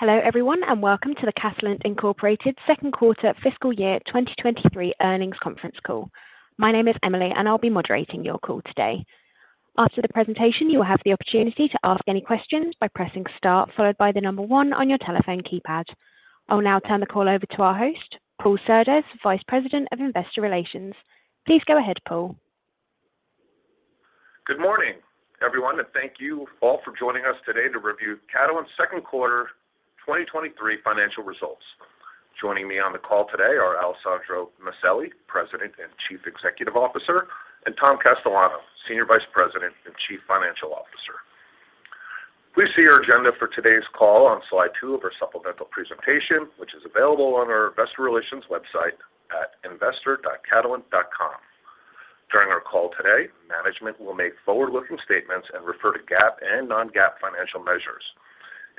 Hello everyone, and welcome to the Catalent, Inc. second quarter fiscal year 2023 earnings conference call. My name is Emily, and I'll be moderating your call today. After the presentation, you will have the opportunity to ask any questions by pressing star, followed by the number one on your telephone keypad. I will now turn the call over to our host, Paul Surdez, Vice President of Investor Relations. Please go ahead, Paul. Good morning, everyone. Thank you all for joining us today to review Catalent's second quarter 2023 financial results. Joining me on the call today are Alessandro Maselli, President and Chief Executive Officer, and Tom Castellano, Senior Vice President and Chief Financial Officer. Please see our agenda for today's call on slide two of our supplemental presentation, which is available on our investor relations website at investor.catalent.com. During our call today, management will make forward-looking statements and refer to GAAP and non-GAAP financial measures.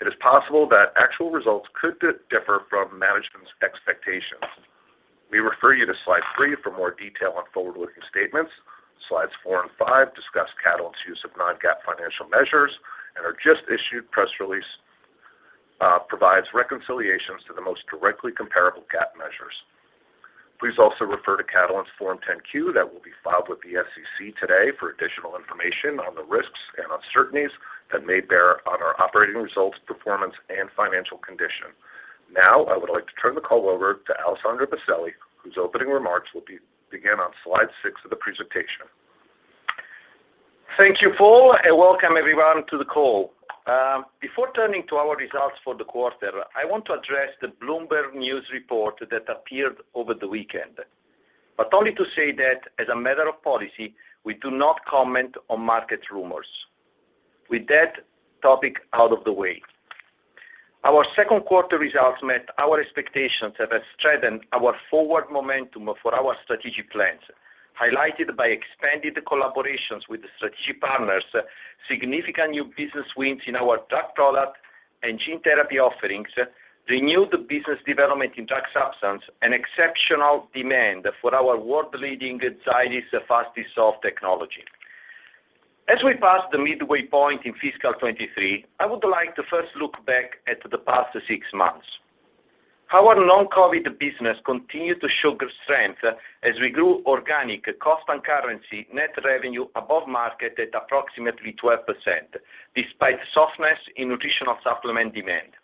It is possible that actual results could differ from management's expectations. We refer you to slide three for more detail on forward-looking statements. Slides four and five discuss Catalent's use of non-GAAP financial measures and are just issued press release provides reconciliations to the most directly comparable GAAP measures. Please also refer to Catalent's Form 10-Q that will be filed with the SEC today for additional information on the risks and uncertainties that may bear on our operating results, performance, and financial condition. Now, I would like to turn the call over to Alessandro Maselli, whose opening remarks will begin on slide six of the presentation. Thank you, Paul. Welcome everyone to the call. Before turning to our results for the quarter, I want to address the Bloomberg News report that appeared over the weekend, but only to say that as a matter of policy, we do not comment on market rumors. With that topic out of the way, our second quarter results met our expectations and have strengthened our forward momentum for our strategic plans, highlighted by expanded collaborations with strategic partners, significant new business wins in our drug product and gene therapy offerings, renewed business development in drug substance, and exceptional demand for our world-leading Zydis FastDissolve technology. As we pass the midway point in fiscal 2023, I would like to first look back at the past six months. Our non-COVID business continued to show strength as we grew organic cost and currency net revenue above market at approximately 12%, despite softness in nutritional supplement demand.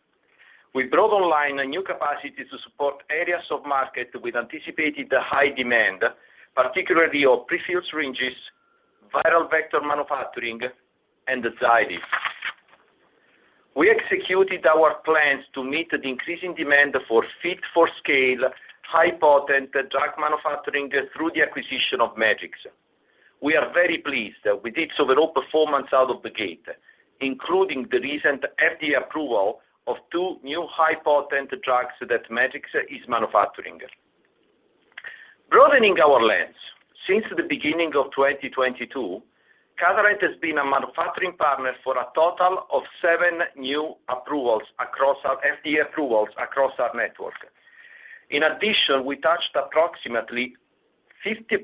We brought online a new capacity to support areas of market with anticipated high demand, particularly our prefilled syringes, viral vector manufacturing, and Zydis. We executed our plans to meet the increasing demand for fit for scale, high potent drug manufacturing through the acquisition of Medix. We are very pleased with its overall performance out of the gate, including the recent FDA approval of two new high potent drugs that Medix is manufacturing. Broadening our lens, since the beginning of 2022, Catalent has been a manufacturing partner for a total of seven new approvals across our FDA approvals across our network. We touched approximately 50%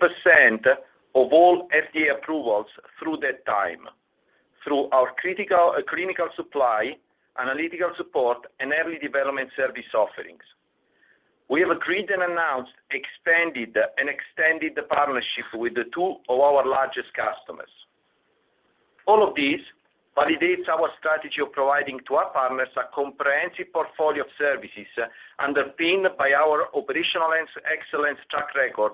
of all FDA approvals through that time through our clinical supply, analytical support, and early development service offerings. We have agreed and announced, expanded and extended the partnership with the two of our largest customers. All of this validates our strategy of providing to our partners a comprehensive portfolio of services underpinned by our operational excellence track record,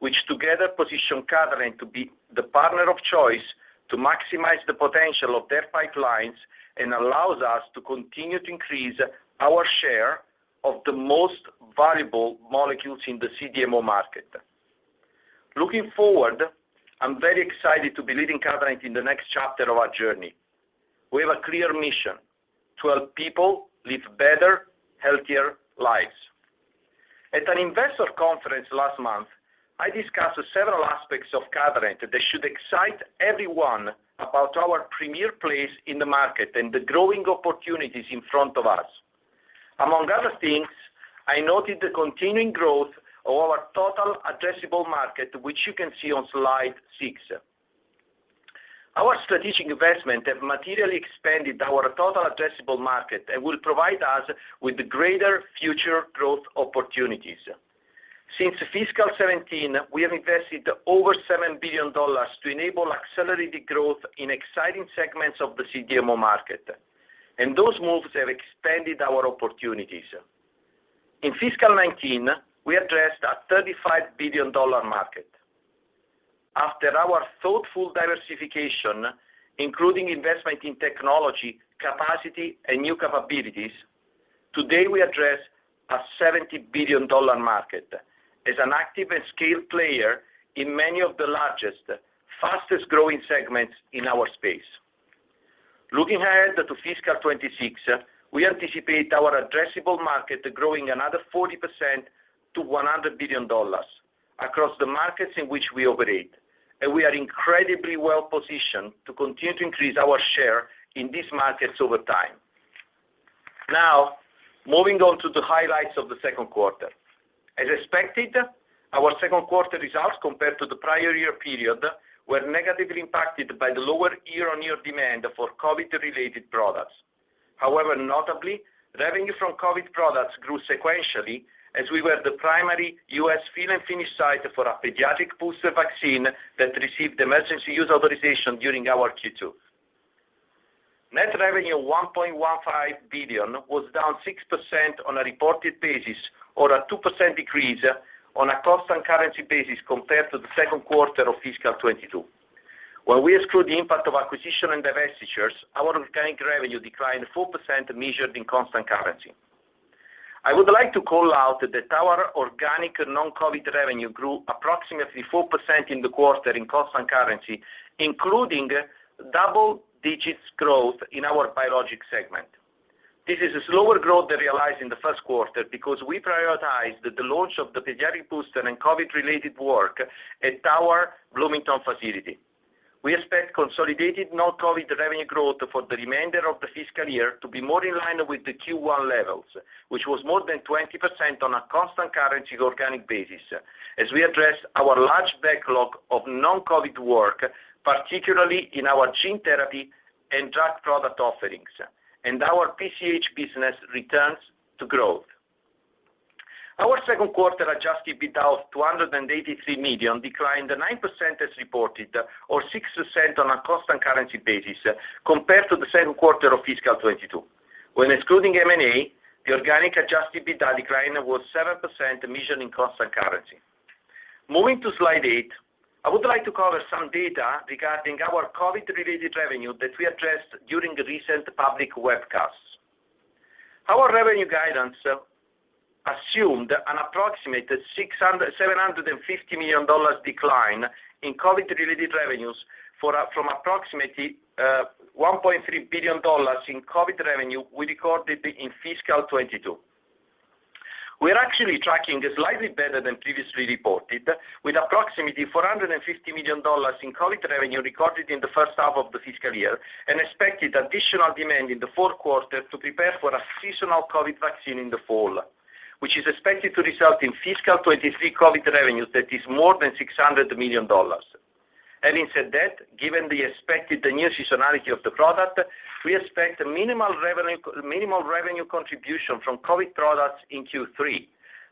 which together position Catalent to be the partner of choice to maximize the potential of their pipelines and allows us to continue to increase our share of the most valuable molecules in the CDMO market. Looking forward, I'm very excited to be leading Catalent in the next chapter of our journey. We have a clear mission: to help people live better, healthier lives. At an investor conference last month, I discussed several aspects of Catalent that should excite everyone about our premier place in the market and the growing opportunities in front of us. Among other things, I noted the continuing growth of our total addressable market, which you can see on slide six. Our strategic investments have materially expanded our total addressable market and will provide us with greater future growth opportunities. Since fiscal 2017, we have invested over $7 billion to enable accelerated growth in exciting segments of the CDMO market, and those moves have expanded our opportunities. In fiscal 2019, we addressed a $35 billion market. After our thoughtful diversification, including investment in technology, capacity, and new capabilities, today we address a $70 billion market as an active and scaled player in many of the largest, fastest-growing segments in our space. Looking ahead to fiscal 2026, we anticipate our addressable market growing another 40% to $100 billion across the markets in which we operate. We are incredibly well positioned to continue to increase our share in these markets over time. Now, moving on to the highlights of the second quarter. As expected, our second quarter results compared to the prior year period were negatively impacted by the lower year-on-year demand for COVID-related products. However, notably, revenue from COVID products grew sequentially as we were the primary U.S. fill and finish site for a pediatric booster vaccine that received Emergency Use Authorization during our Q2. Net revenue of $1.15 billion was down 6% on a reported basis or a 2% decrease on a constant currency basis compared to the second quarter of fiscal 2022. When we exclude the impact of acquisition and divestitures, our organic revenue declined 4% measured in constant currency. I would like to call out that our organic non-COVID revenue grew approximately 4% in the quarter in constant currency, including double digits growth in our biologics segment. This is a slower growth than realized in the first quarter because we prioritized the launch of the pediatric booster and COVID-related work at our Bloomington facility. We expect consolidated non-COVID revenue growth for the remainder of the fiscal year to be more in line with the Q1 levels, which was more than 20% on a constant currency organic basis as we address our large backlog of non-COVID work, particularly in our gene therapy and drug product offerings, and our PCH business returns to growth. Our second quarter adjusted EBITDA of $283 million declined 9% as reported, or 6% on a constant currency basis compared to the second quarter of fiscal 2022. When excluding M&A, the organic adjusted EBITDA decline was 7% measured in constant currency. Moving to slide eight, I would like to cover some data regarding our COVID-related revenue that we addressed during the recent public webcast. Our revenue guidance assumed an approximate $750 million decline in COVID-related revenues from approximately $1.3 billion in COVID revenue we recorded in fiscal 2022. We're actually tracking slightly better than previously reported, with approximately $450 million in COVID revenue recorded in the first half of the fiscal year and expected additional demand in the fourth quarter to prepare for a seasonal COVID vaccine in the fall, which is expected to result in fiscal 2023 COVID revenues that is more than $600 million. Having said that, given the expected new seasonality of the product, we expect minimal revenue contribution from COVID products in Q3,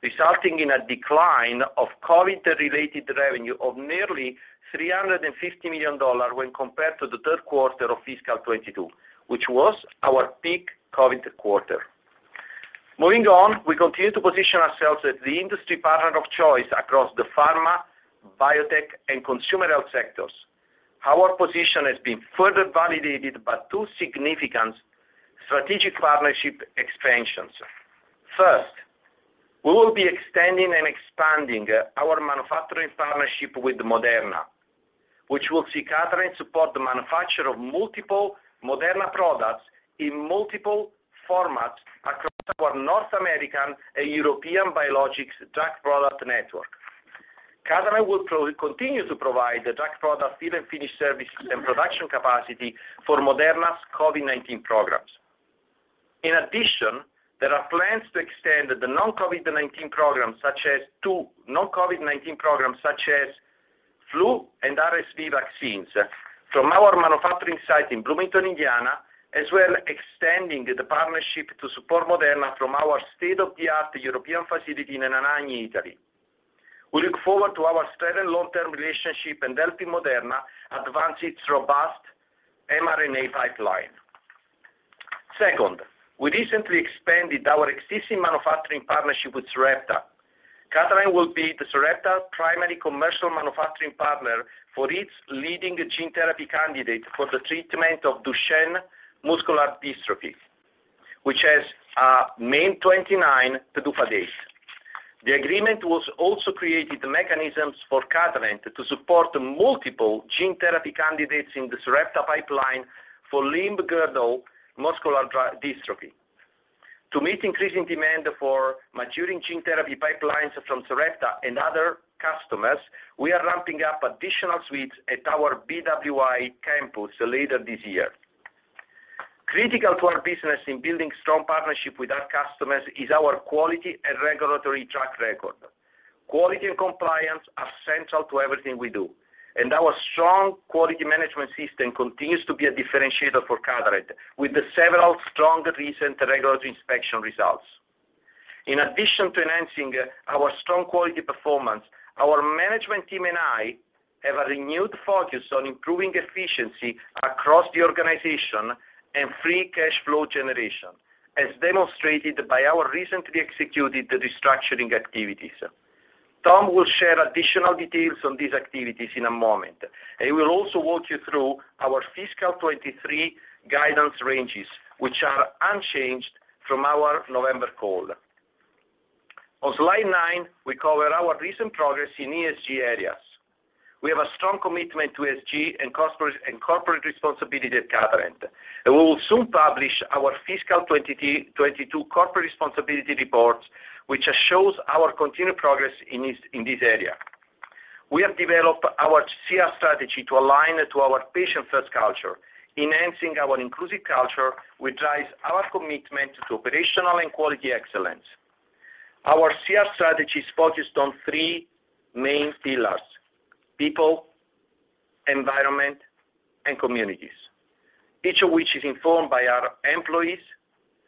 resulting in a decline of COVID-related revenue of nearly $350 million when compared to the third quarter of fiscal 2022, which was our peak COVID quarter. Moving on, we continue to position ourselves as the industry partner of choice across the pharma, biotech, and consumer health sectors. Our position has been further validated by two significant strategic partnership expansions. First, we will be extending and expanding our manufacturing partnership with Moderna, which will see Catalent support the manufacture of multiple Moderna products in multiple formats across our North American and European biologics drug product network. Catalent will continue to provide the drug product fill and finish services and production capacity for Moderna's COVID-19 programs. In addition, there are plans to extend the non-COVID-19 programs such as, two non-COVID-19 programs such as flu and RSV vaccines from our manufacturing site in Bloomington, Indiana, as well extending the partnership to support Moderna from our state-of-the-art European facility in Anagni, Italy. We look forward to our steady long-term relationship in helping Moderna advance its robust mRNA pipeline. Second, we recently expanded our existing manufacturing partnership with Sarepta. Catalent will be the Sarepta's primary commercial manufacturing partner for its leading gene therapy candidate for the treatment of Duchenne Muscular Dystrophy, which is SRP-9001. The agreement was also created mechanisms for Catalent to support multiple gene therapy candidates in the Sarepta pipeline for Limb-girdle muscular dystrophy. To meet increasing demand for maturing gene therapy pipelines from Sarepta and other customers, we are ramping up additional suites at our BWI campus later this year. Critical to our business in building strong partnership with our customers is our quality and regulatory track record. Quality and compliance are central to everything we do, and our strong quality management system continues to be a differentiator for Catalent with the several strong recent regulatory inspection results. In addition to enhancing our strong quality performance, our management team and I have a renewed focus on improving efficiency across the organization and free cash flow generation, as demonstrated by our recently executed restructuring activities. Tom will share additional details on these activities in a moment. He will also walk you through our fiscal 23 guidance ranges, which are unchanged from our November call. On slide nine, we cover our recent progress in ESG areas. We have a strong commitment to ESG and corporate responsibility at Catalent. We will soon publish our fiscal 2022 corporate responsibility report, which shows our continued progress in this area. We have developed our CR strategy to align it to our patient-first culture, enhancing our inclusive culture, which drives our commitment to operational and quality excellence. Our CR strategy is focused on three main pillars: people, environment, and communities, each of which is informed by our employees,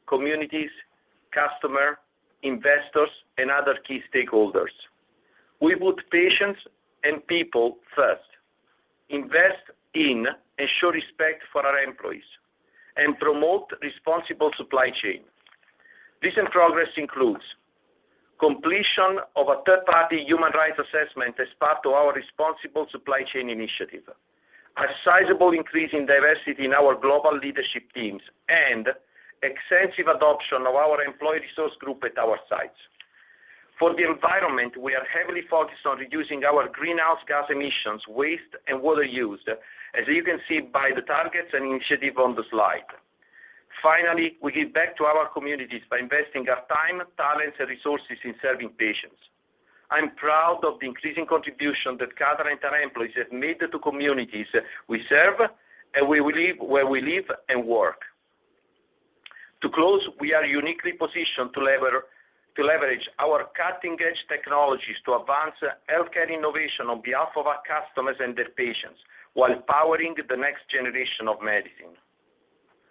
communities, customer, investors, and other key stakeholders. We put patients and people first, invest in and show respect for our employees, and promote responsible supply chain. Recent progress includes completion of a third-party human rights assessment as part of our responsible supply chain initiative, a sizable increase in diversity in our global leadership teams, and extensive adoption of our employee resource group at our sites. For the environment, we are heavily focused on reducing our greenhouse gas emissions, waste, and water use, as you can see by the targets and initiatives on the slide. Finally, we give back to our communities by investing our time, talents, and resources in serving patients. I'm proud of the increasing contribution that Catalent and our employees have made to communities we serve and where we live and work. We are uniquely positioned to leverage our cutting-edge technologies to advance healthcare innovation on behalf of our customers and their patients while powering the next generation of medicine.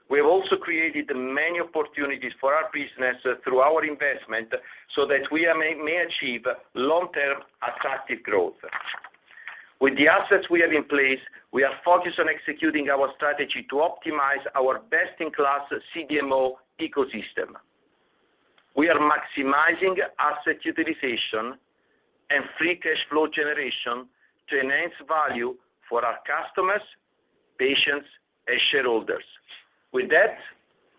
We have also created many opportunities for our business through our investment so that we may achieve long-term attractive growth. With the assets we have in place, we are focused on executing our strategy to optimize our best-in-class CDMO ecosystem. We are maximizing asset utilization and free cash flow generation to enhance value for our customers, patients, and shareholders.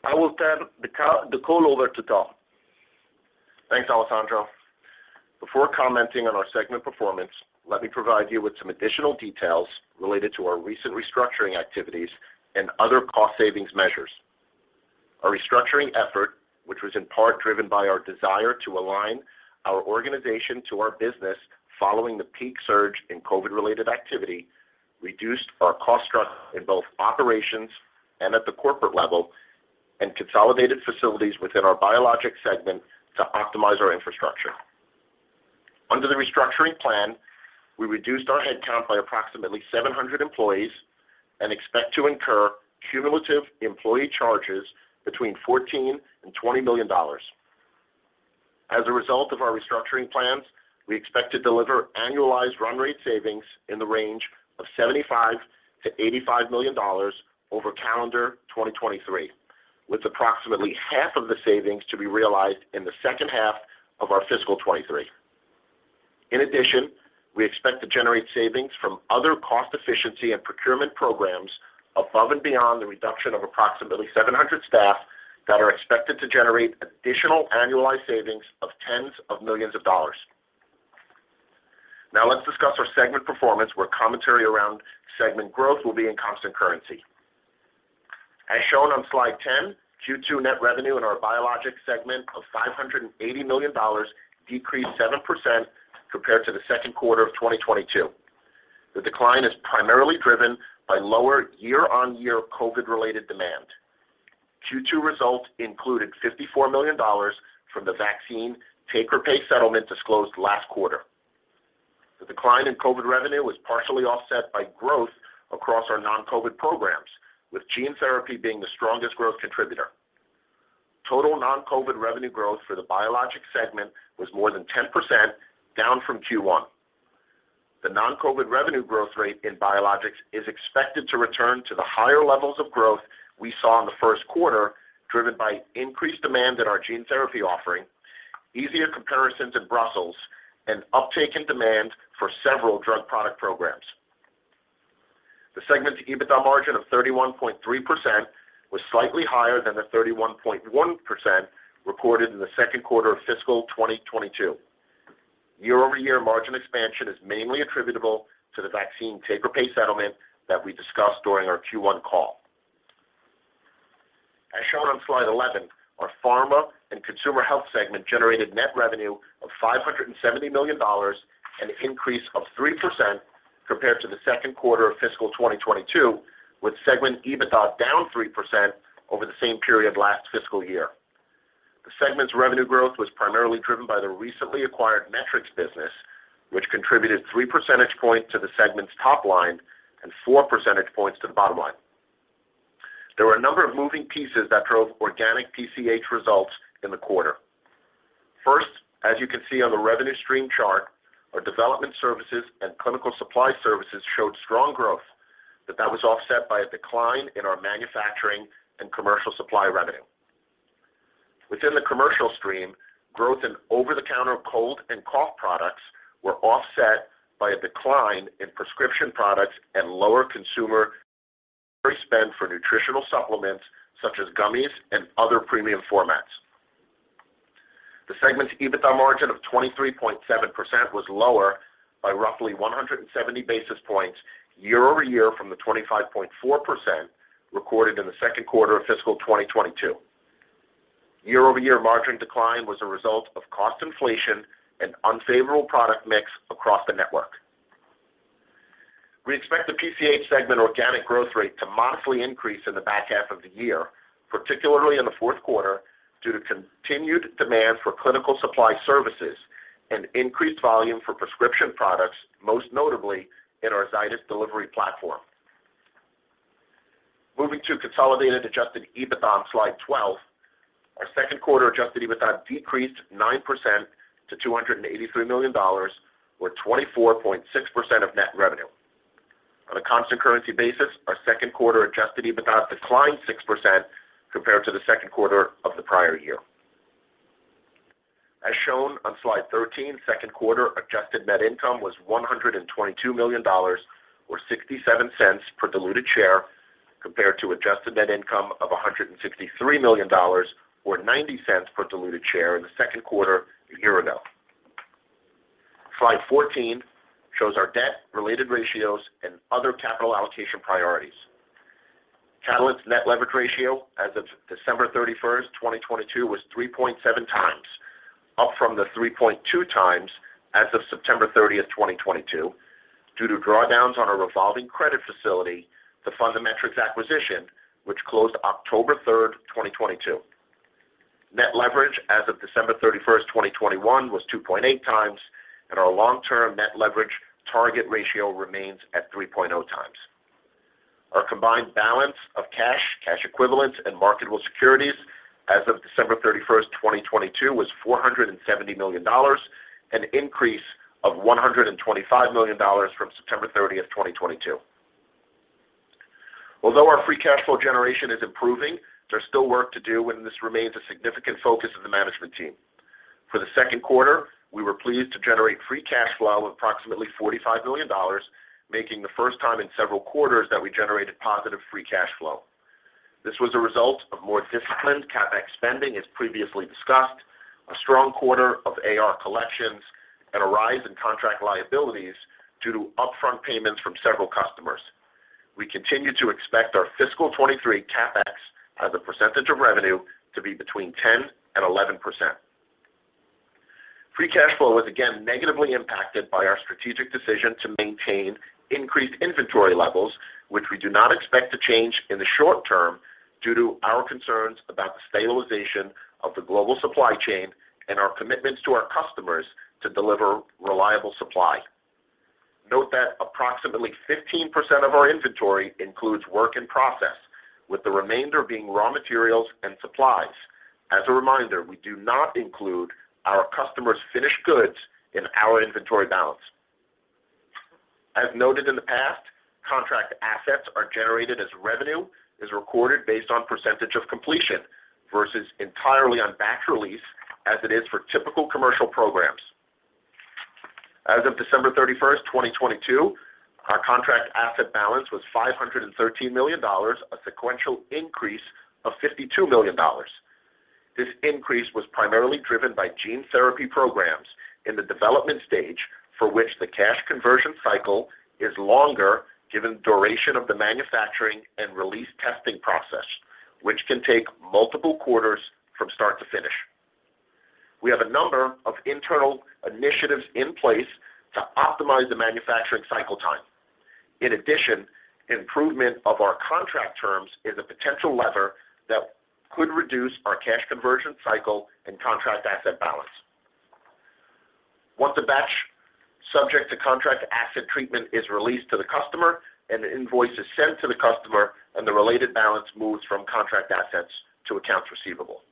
I will turn the call over to Tom. Thanks, Alessandro. Before commenting on our segment performance, let me provide you with some additional details related to our recent restructuring activities and other cost savings measures. Our restructuring effort, which was in part driven by our desire to align our organization to our business following the peak surge in COVID-related activity, reduced our cost structure in both operations and at the corporate level and consolidated facilities within our biologics segment to optimize our infrastructure. Under the restructuring plan, we reduced our headcount by approximately 700 employees and expect to incur cumulative employee charges between $14 million and $20 million. As a result of our restructuring plans, we expect to deliver annualized run rate savings in the range of $75 million-$85 million over calendar 2023, with approximately half of the savings to be realized in the second half of our fiscal 2023. We expect to generate savings from other cost efficiency and procurement programs above and beyond the reduction of approximately 700 staff that are expected to generate additional annualized savings of tens of millions of dollars. Let's discuss our segment performance, where commentary around segment growth will be in constant currency. As shown on slide 10, Q2 net revenue in our biologics segment of $580 million decreased 7% compared to the second quarter of 2022. The decline is primarily driven by lower year-over-year COVID-related demand. Q2 results included $54 million from the vaccine take-or-pay settlement disclosed last quarter. The decline in COVID revenue was partially offset by growth across our non-COVID programs, with gene therapy being the strongest growth contributor. Total non-COVID revenue growth for the biologics segment was more than 10% down from Q1. The non-COVID revenue growth rate in biologics is expected to return to the higher levels of growth we saw in the first quarter, driven by increased demand in our gene therapy offering, easier comparisons in Brussels, and uptake in demand for several drug product programs. The segment's EBITDA margin of 31.3% was slightly higher than the 31.1% recorded in the second quarter of fiscal 2022. Year-over-year margin expansion is mainly attributable to the vaccine take-or-pay settlement that we discussed during our Q1 call. As shown on slide 11, our Pharma and Consumer Health segment generated net revenue of $570 million, an increase of 3% compared to the second quarter of fiscal 2022, with segment EBITDA down 3% over the same period last fiscal year. The segment's revenue growth was primarily driven by the recently acquired Metrics business, which contributed 3 percentage points to the segment's top line and 4 percentage points to the bottom line. There were a number of moving pieces that drove organic PCH results in the quarter. First, as you can see on the revenue stream chart, our development services and clinical supply services showed strong growth, but that was offset by a decline in our manufacturing and commercial supply revenue. Within the commercial stream, growth in over-the-counter cold and cough products were offset by a decline in prescription products and lower consumer spend for nutritional supplements such as gummies and other premium formats. The segment's EBITDA margin of 23.7% was lower by roughly 170 basis points year-over-year from the 25.4% recorded in the second quarter of fiscal 2022. Year-over-year margin decline was a result of cost inflation and unfavorable product mix across the network. We expect the PCH segment organic growth rate to modestly increase in the back half of the year, particularly in the fourth quarter, due to continued demand for clinical supply services and increased volume for prescription products, most notably in our Zydis delivery platform. Moving to consolidated adjusted EBITDA on slide 12, our second quarter adjusted EBITDA decreased 9% to $283 million, or 24.6% of net revenue. On a constant currency basis, our second quarter adjusted EBITDA declined 6% compared to the second quarter of the prior year. As shown on slide 13, second quarter adjusted net income was $122 million or $0.67 per diluted share, compared to adjusted net income of $163 million or $0.90 per diluted share in the second quarter a year ago. Slide 14 shows our debt related ratios and other capital allocation priorities. Catalent's net leverage ratio as of December 31, 2022 was 3.7x, up from the 3.2x as of September 30th, 2022, due to drawdowns on our revolving credit facility to fund the Metrics acquisition, which closed October 3rd, 2022. Net leverage as of December 31, 2021 was 2.8x, and our long-term net leverage target ratio remains at 3.0x. Our combined balance of cash equivalents and marketable securities as of December 31, 2022 was $470 million, an increase of $125 million from September 30, 2022. Our free cash flow generation is improving, there's still work to do. This remains a significant focus of the management team. For the second quarter, we were pleased to generate free cash flow of approximately $45 million, making the first time in several quarters that we generated positive free cash flow. This was a result of more disciplined CapEx spending, as previously discussed, a strong quarter of AR collections, and a rise in contract liabilities due to upfront payments from several customers. We continue to expect our fiscal 2023 CapEx as a percentage of revenue to be between 10% and 11%. Free cash flow was again negatively impacted by our strategic decision to maintain increased inventory levels, which we do not expect to change in the short term due to our concerns about the stabilization of the global supply chain and our commitments to our customers to deliver reliable supply. Note that approximately 15% of our inventory includes work in process, with the remainder being raw materials and supplies. As a reminder, we do not include our customers' finished goods in our inventory balance. As noted in the past, contract assets are generated as revenue is recorded based on percentage of completion versus entirely on batch release as it is for typical commercial programs. As of December 31st, 2022, our contract asset balance was $513 million, a sequential increase of $52 million. This increase was primarily driven by gene therapy programs in the development stage for which the cash conversion cycle is longer, given duration of the manufacturing and release testing process, which can take multiple quarters from start to finish. We have a number of internal initiatives in place to optimize the manufacturing cycle time. Improvement of our contract terms is a potential lever that could reduce our cash conversion cycle and contract asset balance. Once a batch subject to contract asset treatment is released to the customer and the invoice is sent to the customer, and the related balance moves from contract assets to accounts receivable.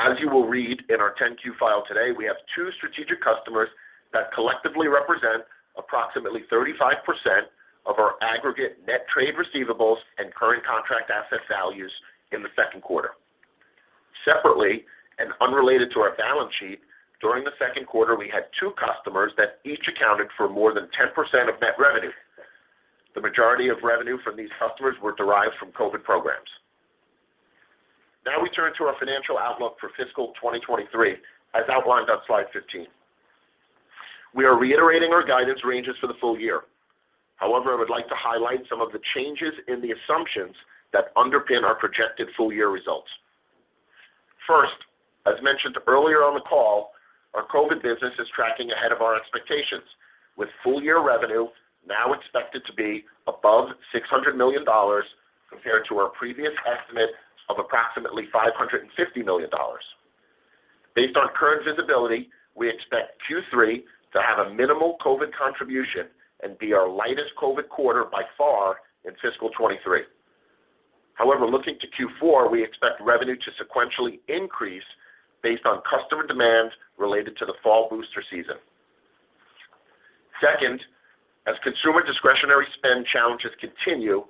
As you will read in our 10-Q file today, we have two strategic customers that collectively represent approximately 35% of our aggregate net trade receivables and current contract asset values in the second quarter. Separately, unrelated to our balance sheet, during the second quarter, we had two customers that each accounted for more than 10% of net revenue. The majority of revenue from these customers were derived from COVID programs. We turn to our financial outlook for fiscal 2023 as outlined on slide 15. We are reiterating our guidance ranges for the full year. I would like to highlight some of the changes in the assumptions that underpin our projected full year results. First, as mentioned earlier on the call, our COVID business is tracking ahead of our expectations with full year revenue now expected to be above $600 million compared to our previous estimate of approximately $550 million. Based on current visibility, we expect Q3 to have a minimal COVID contribution and be our lightest COVID quarter by far in fiscal 2023. Looking to Q4, we expect revenue to sequentially increase based on customer demand related to the fall booster season. Second, as consumer discretionary spend challenges continue,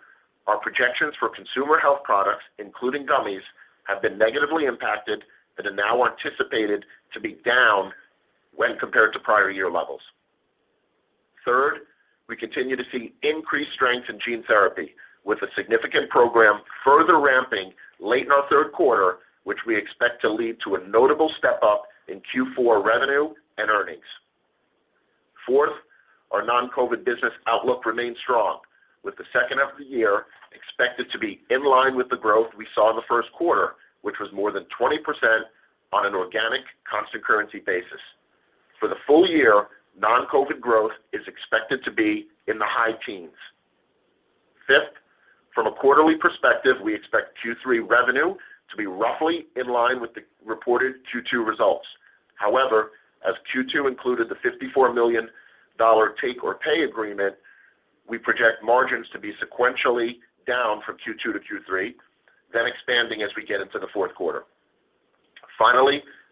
our projections for consumer health products, including gummies, have been negatively impacted and are now anticipated to be down when compared to prior year levels. Third, we continue to see increased strength in gene therapy with a significant program further ramping late in our third quarter, which we expect to lead to a notable step up in Q4 revenue and earnings. Fourth, our non-COVID business outlook remains strong, with the second half of the year expected to be in line with the growth we saw in the first quarter, which was more than 20% on an organic constant currency basis. For the full year, non-COVID growth is expected to be in the high teens. Fifth, from a quarterly perspective, we expect Q3 revenue to be roughly in line with the reported Q2 results. As Q2 included the $54 million take-or-pay agreement, we project margins to be sequentially down from Q2 to Q3, then expanding as we get into the fourth quarter.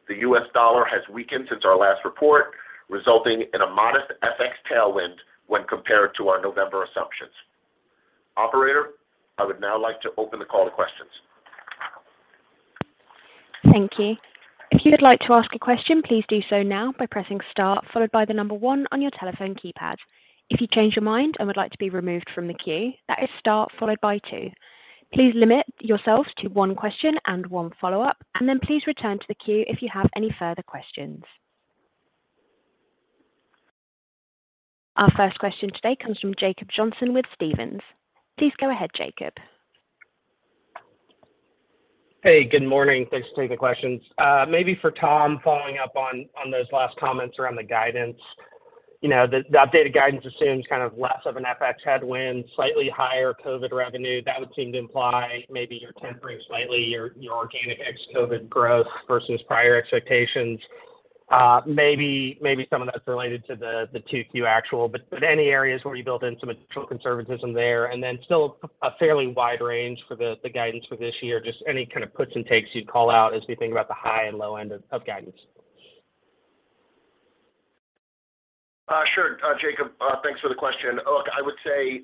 The U.S. dollar has weakened since our last report, resulting in a modest FX tailwind when compared to our November assumptions. Operator, I would now like to open the call to questions. Thank you. If you would like to ask a question, please do so now by pressing start, followed by the number one on your telephone keypad. If you change your mind and would like to be removed from the queue, that is start followed by two. Please limit yourselves to one question and one follow-up, and then please return to the queue if you have any further questions. Our first question today comes from Jacob Johnson with Stephens. Please go ahead, Jacob. Good morning. Thanks for taking the questions. Maybe for Tom, following up on those last comments around the guidance: You know, the updated guidance assumes kind of less of an FX headwind, slightly higher COVID revenue. That would seem to imply maybe you're tempering slightly your organic ex-COVID growth versus prior expectations. Maybe some of that's related to the Q2 Actual, but any areas where you built in some conservatism there, and then still a fairly wide range for the guidance for this year. Just any kind of puts and takes you'd call out as we think about the high and low end of guidance? Sure, Jacob, thanks for the question. Look, I would say,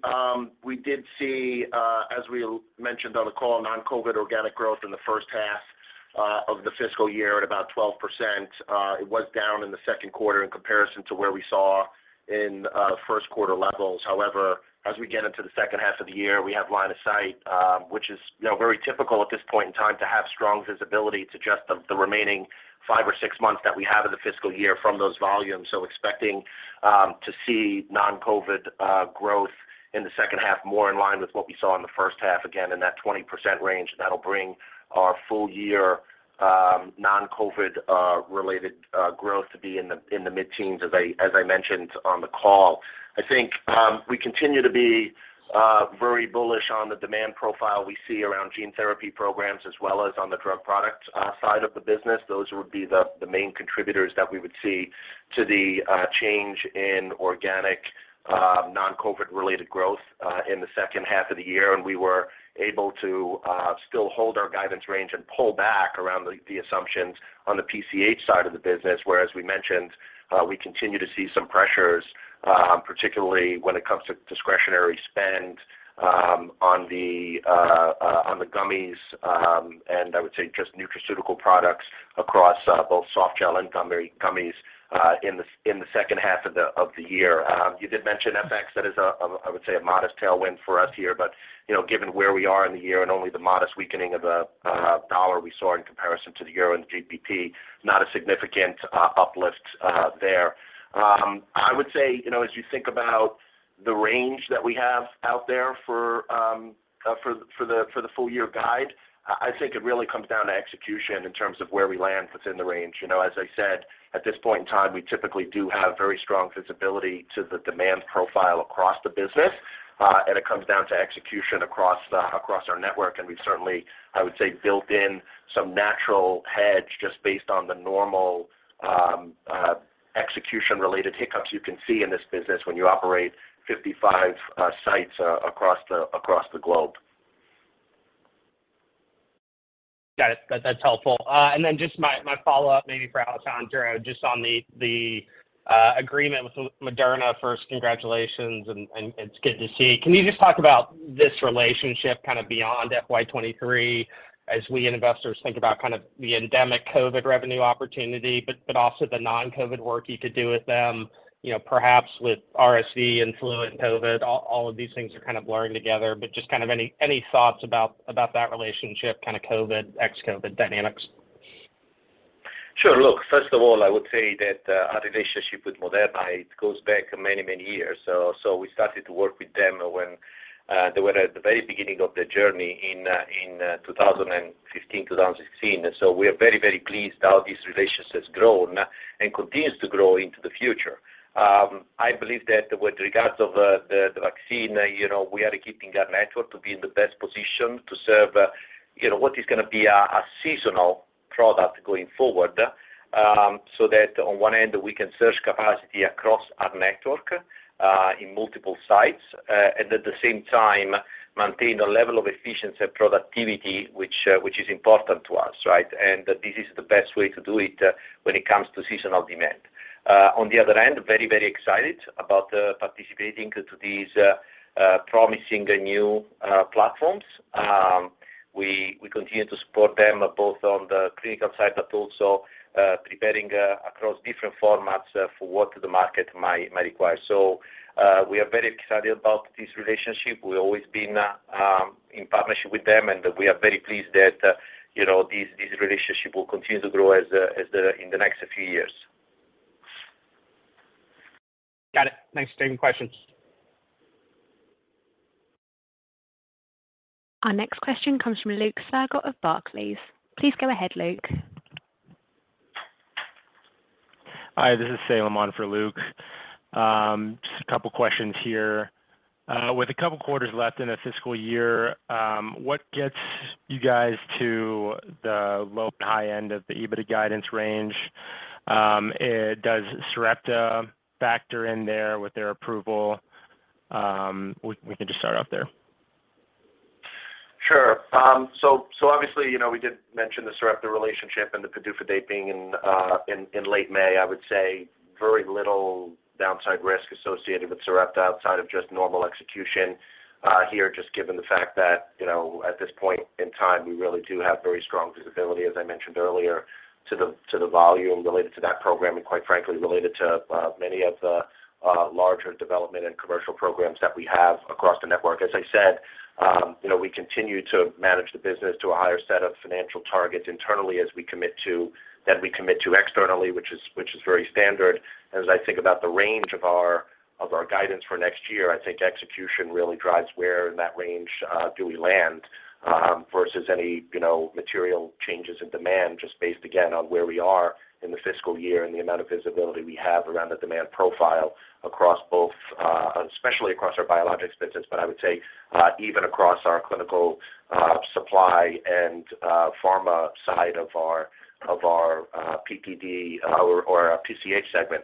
we did see, as we mentioned on the call, non-COVID organic growth in the first half of the fiscal year at about 12%. It was down in the second quarter in comparison to where we saw in first quarter levels. As we get into the second half of the year, we have line of sight, which is, you know, very typical at this point in time to have strong visibility to just the remaining five or six months that we have in the fiscal year from those volumes. Expecting to see non-COVID growth in the second half more in line with what we saw in the first half again, in that 20% range. That'll bring our full year non-COVID related growth to be in the mid-teens, as I mentioned on the call. I think we continue to be very bullish on the demand profile we see around gene therapy programs as well as on the drug product side of the business. Those would be the main contributors that we would see to the change in organic non-COVID related growth in the second half of the year. We were able to still hold our guidance range and pull back around the assumptions on the PCH side of the business, where, as we mentioned, we continue to see some pressures, particularly when it comes to discretionary spend, on the gummies, and I would say just nutraceutical products across both softgel and gummies, in the second half of the year. You did mention FX. That is, I would say a modest tailwind for us here. You know, given where we are in the year and only the modest weakening of the dollar we saw in comparison to the euro and the GBP, not a significant uplift there. I would say, you know, as you think about the range that we have out there for the full-year guide, I think it really comes down to execution in terms of where we land within the range. You know, as I said, at this point in time, we typically do have very strong visibility to the demand profile across the business, and it comes down to execution across our network. We've certainly, I would say, built in some natural hedge just based on the normal execution-related hiccups you can see in this business when you operate 55 sites across the globe. Got it. That's helpful. Then just my follow-up maybe for Alessandro, just on the agreement with Moderna. First, congratulations, and it's good to see. Can you just talk about this relationship kind of beyond FY 2023 as we investors think about kind of the endemic COVID revenue opportunity, but also the non-COVID work you could do with them, you know, perhaps with RSV, influenza, COVID, all of these things are kind of blurring together. Just kind of any thoughts about that relationship, kind of COVID, ex-COVID dynamics? Sure. Look, first of all, I would say that our relationship with Moderna, it goes back many, many years. We started to work with them when they were at the very beginning of their journey in 2015, 2016. We are very, very pleased how this relationship has grown and continues to grow into the future. I believe that with regards of the vaccine, you know, we are keeping our network to be in the best position to serve, you know, what is gonna be a seasonal product going forward. That on one end, we can search capacity across our network in multiple sites and at the same time maintain a level of efficiency and productivity, which is important to us, right? This is the best way to do it when it comes to seasonal demand. On the other end, very, very excited about participating to these promising new platforms. We continue to support them both on the clinical side, but also preparing across different formats for what the market might require. We are very excited about this relationship. We've always been in partnership with them, and we are very pleased that, you know, this relationship will continue to grow as in the next few years. Got it. Thanks for taking the questions. Our next question comes from Luke Sergott of Barclays. Please go ahead, Luke. Hi, this is Salem on for Luke. Just a couple questions here. With a couple quarters left in the fiscal year, what gets you guys to the low and high end of the EBITDA guidance range? Does Sarepta factor in there with their approval? We can just start off there. Sure. Obviously, you know, we did mention the Sarepta relationship and the PDUFA date being in late May, I would say very little downside risk associated with Sarepta outside of just normal execution here, just given the fact that, you know, at this point in time, we really do have very strong visibility, as I mentioned earlier, to the volume related to that program and quite frankly, related to many of the larger development and commercial programs that we have across the network. As I said, you know, we continue to manage the business to a higher set of financial targets internally as we commit to that we commit to externally, which is very standard. As I think about the range of our guidance for next year, I think execution really drives where in that range, do we land, versus any, you know, material changes in demand, just based again on where we are in the fiscal year and the amount of visibility we have around the demand profile across both, especially across our biologics business, but I would say, even across our clinical, supply and pharma side of our PPD or PCH segment.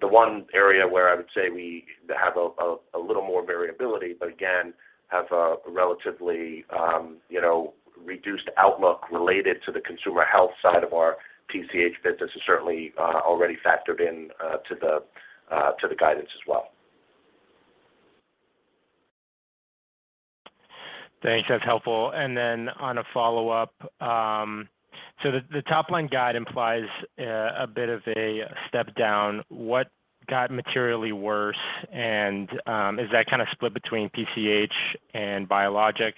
The one area where I would say we have a little more variability, but again, have a relatively, you know, reduced outlook related to the consumer health side of our PCH business is certainly already factored in to the guidance as well. Thanks. That's helpful. On a follow-up, so the top line guide implies a bit of a step down. What got materially worse and is that kind of split between PCH and biologics?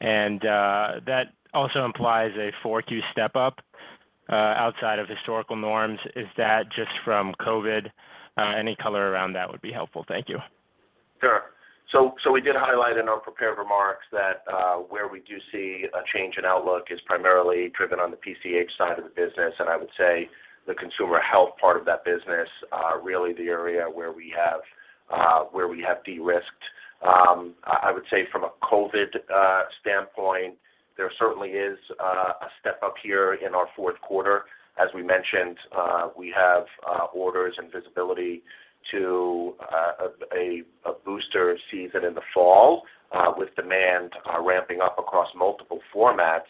That also implies a Q4 step up outside of historical norms. Is that just from COVID? Any color around that would be helpful. Thank you. Sure. We did highlight in our prepared remarks that, where we do see a change in outlook is primarily driven on the PCH side of the business. I would say the consumer health part of that business, really the area where we have de-risked. I would say from a COVID standpoint, there certainly is a step up here in our fourth quarter. As we mentioned, we have orders and visibility to a booster season in the fall, with demand ramping up across multiple formats,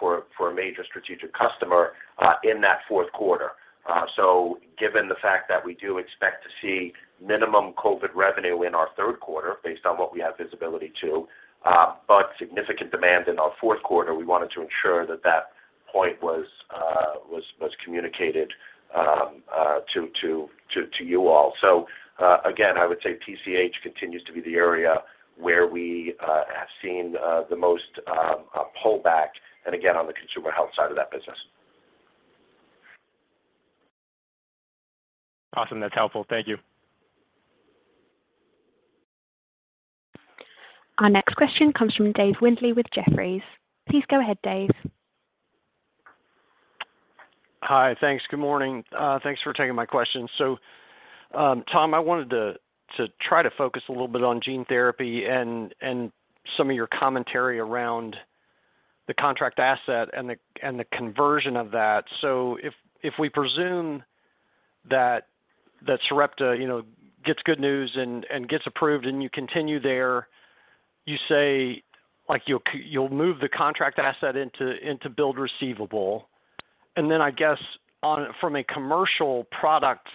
for a major strategic customer, in that fourth quarter. Given the fact that we do expect to see minimum COVID revenue in our third quarter based on what we have visibility to, but significant demand in our fourth quarter, we wanted to ensure that that point was communicated to you all. Again, I would say PCH continues to be the area where we have seen the most pullback and again, on the consumer health side of that business. Awesome. That's helpful. Thank you. Our next question comes from David Windley with Jefferies. Please go ahead, Dave. Hi. Thanks. Good morning. Thanks for taking my question. Tom, I wanted to try to focus a little bit on gene therapy and some of your commentary around the contract asset and the conversion of that. If we presume that Sarepta, you know, gets good news and gets approved and you continue there, you say, like, you'll move the contract asset into build receivable. I guess from a commercial product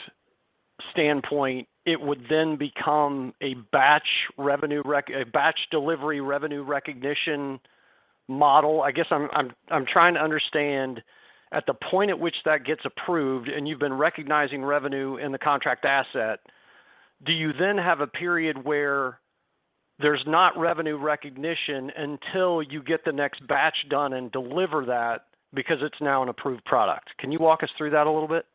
standpoint, it would then become a batch delivery revenue recognition model. I guess I'm trying to understand at the point at which that gets approved and you've been recognizing revenue in the contract asset, do you then have a period where there's not revenue recognition until you get the next batch done and deliver that because it's now an approved product? Can you walk us through that a little bit?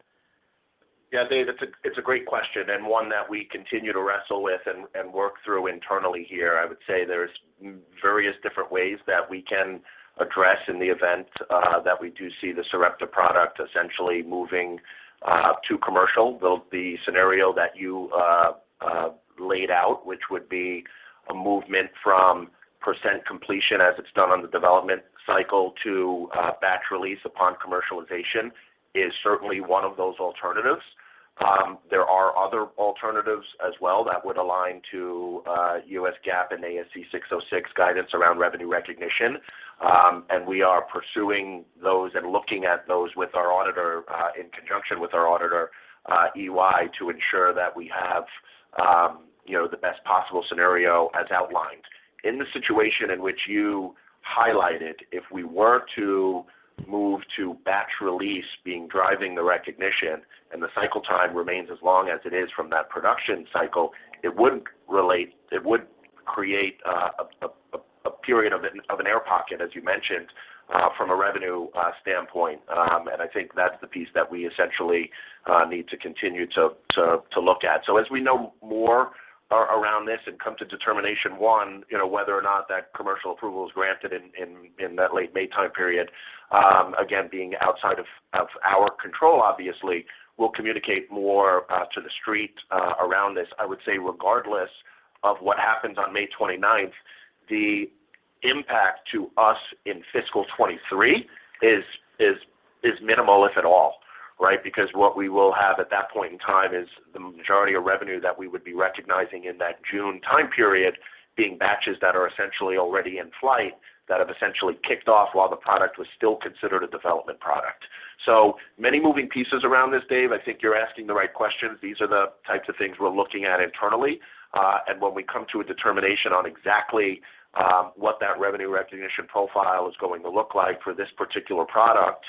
Dave, it's a great question and one that we continue to wrestle with and work through internally here. I would say there's various different ways that we can address in the event that we do see the Sarepta product essentially moving to commercial. The scenario that you laid out, which would be a movement from percent completion as it's done on the development cycle to batch release upon commercialization, is certainly one of those alternatives. There are other alternatives as well that would align to U.S. GAAP and ASC 606 guidance around revenue recognition. We are pursuing those and looking at those with our auditor in conjunction with our auditor, EY, to ensure that we have, you know, the best possible scenario as outlined. In the situation in which you highlighted, if we were to move to batch release being driving the recognition and the cycle time remains as long as it is from that production cycle, it wouldn't create a period of an air pocket, as you mentioned, from a revenue standpoint. I think that's the piece that we essentially need to continue to look at. As we know more around this and come to determination, one, you know, whether or not that commercial approval is granted in that late May time period, again, being outside of our control, obviously. We'll communicate more to the street around this. I would say regardless of what happens on May 29th, the impact to us in fiscal 2023 is minimal, if at all, right? Because what we will have at that point in time is the majority of revenue that we would be recognizing in that June time period being batches that are essentially already in flight that have essentially kicked off while the product was still considered a development product. Many moving pieces around this, Dave. I think you're asking the right questions. These are the types of things we're looking at internally. When we come to a determination on exactly what that revenue recognition profile is going to look like for this particular product,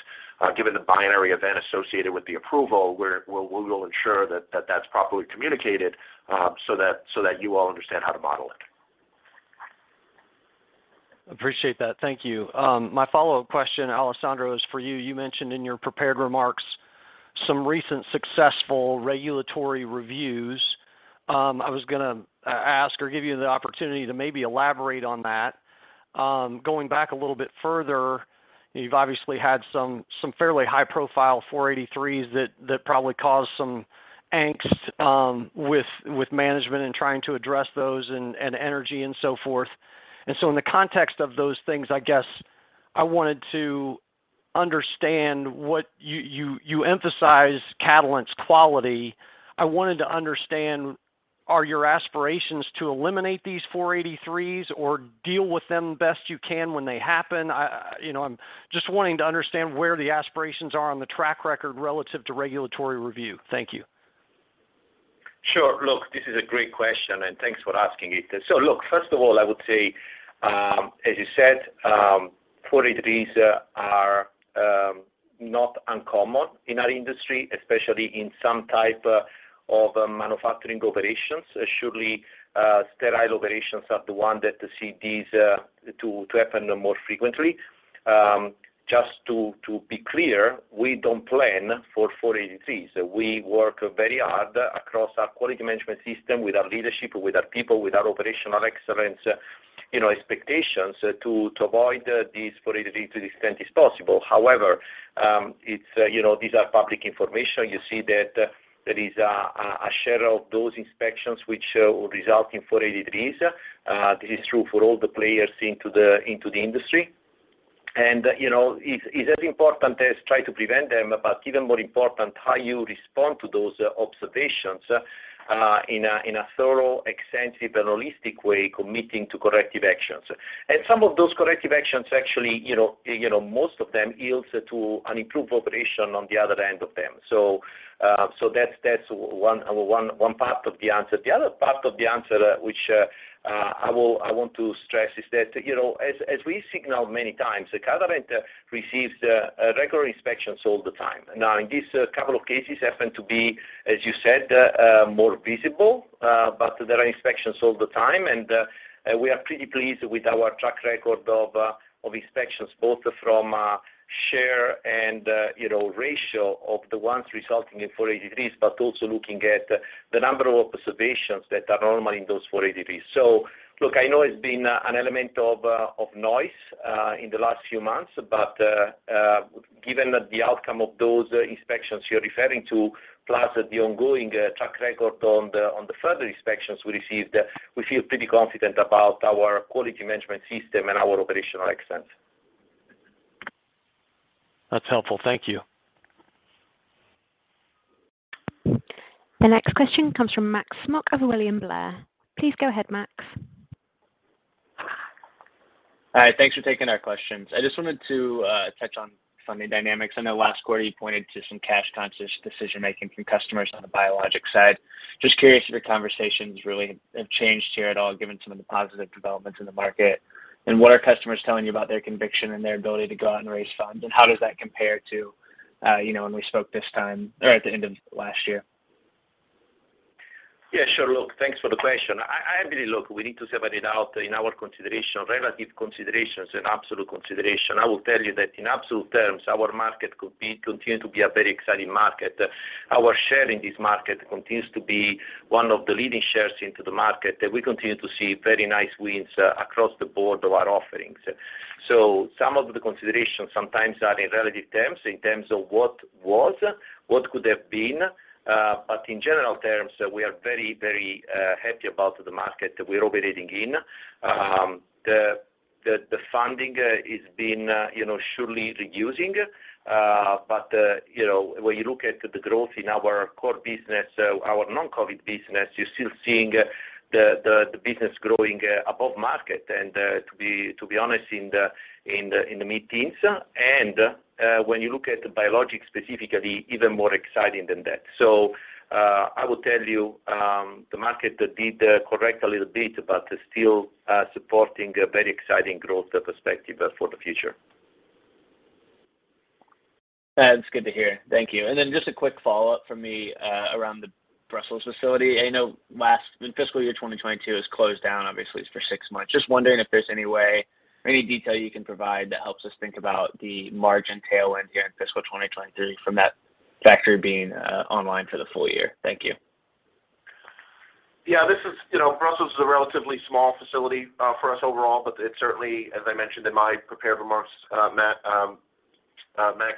given the binary event associated with the approval, we will ensure that that's properly communicated, so that, so that you all understand how to model it. Appreciate that. Thank you. My follow-up question, Alessandro, is for you. You mentioned in your prepared remarks some recent successful regulatory reviews. I was gonna ask or give you the opportunity to maybe elaborate on that. Going back a little bit further, you've obviously had some fairly high-profile Form 483 that probably caused some angst with management in trying to address those and energy and so forth. In the context of those things, I guess I wanted to understand what you emphasize Catalent's quality. I wanted to understand, are your aspirations to eliminate these Form 483 or deal with them best you can when they happen? I, you know, I'm just wanting to understand where the aspirations are on the track record relative to regulatory review. Thank you. Sure. Look, this is a great question, thanks for asking it. Look, first of all, I would say, as you said, Form 483 are not uncommon in our industry, especially in some type of manufacturing operations. Surely, sterile operations are the one that see these to happen more frequently. Just to be clear, we don't plan for Form 483. We work very hard across our quality management system with our leadership, with our people, with our operational excellence, you know, expectations to avoid these Form 483 to the extent is possible. However, it's, you know, these are public information. You see that there is a share of those inspections which will result in Form 483. This is true for all the players into the industry. You know, it's as important as try to prevent them, but even more important how you respond to those observations, in a thorough, extensive and holistic way committing to corrective actions. Some of those corrective actions actually, you know, most of them yields to an improved operation on the other end of them. That's one part of the answer. The other part of the answer which I want to stress is that, you know, as we signal many times, Catalent receives regular inspections all the time. In this couple of cases happen to be, as you said, more visible, but there are inspections all the time. We are pretty pleased with our track record of inspections, both from share and, you know, ratio of the ones resulting in Form 483, but also looking at the number of observations that are normally in those Form 483. Look, I know it's been an element of noise in the last few months, but given that the outcome of those inspections you're referring to, plus the ongoing track record on the, on the further inspections we received, we feel pretty confident about our quality management system and our operational excellence. That's helpful. Thank you. The next question comes from Max Smock of William Blair. Please go ahead, Max. Hi. Thanks for taking ou r questions. I just wanted to touch on funding dynamics. I know last quarter you pointed to some cash conscious decision-making from customers on the biologic side. Just curious if your conversations really have changed here at all, given some of the positive developments in the market. What are customers telling you about their conviction and their ability to go out and raise funds? How does that compare to, you know, when we spoke this time or at the end of last year? Yeah, sure. Look, thanks for the question. I agree. Look, we need to separate it out in our consideration, relative considerations and absolute consideration. I will tell you that in absolute terms, our market could continue to be a very exciting market. Our share in this market continues to be one of the leading shares into the market. We continue to see very nice wins across the board of our offerings. Some of the considerations sometimes are in relative terms, in terms of what was, what could have been. In general terms, we are very happy about the market we're operating in. The funding is being, you know, surely reducing. You know, when you look at the growth in our core business, our non-COVID business, you're still seeing the business growing above market. To be honest, in the mid-teens. When you look at biologics specifically, even more exciting than that. I will tell you, the market did correct a little bit, but still, supporting a very exciting growth perspective for the future. That's good to hear. Thank you. Just a quick follow-up from me around the Brussels facility. I know in fiscal year 2022 it was closed down, obviously for six months. Just wondering if there's any way or any detail you can provide that helps us think about the margin tailwind here in fiscal 2023 from that factory being online for the full year. Thank you. Yeah. You know, Brussels is a relatively small facility for us overall. It certainly, as I mentioned in my prepared remarks, Matt, Max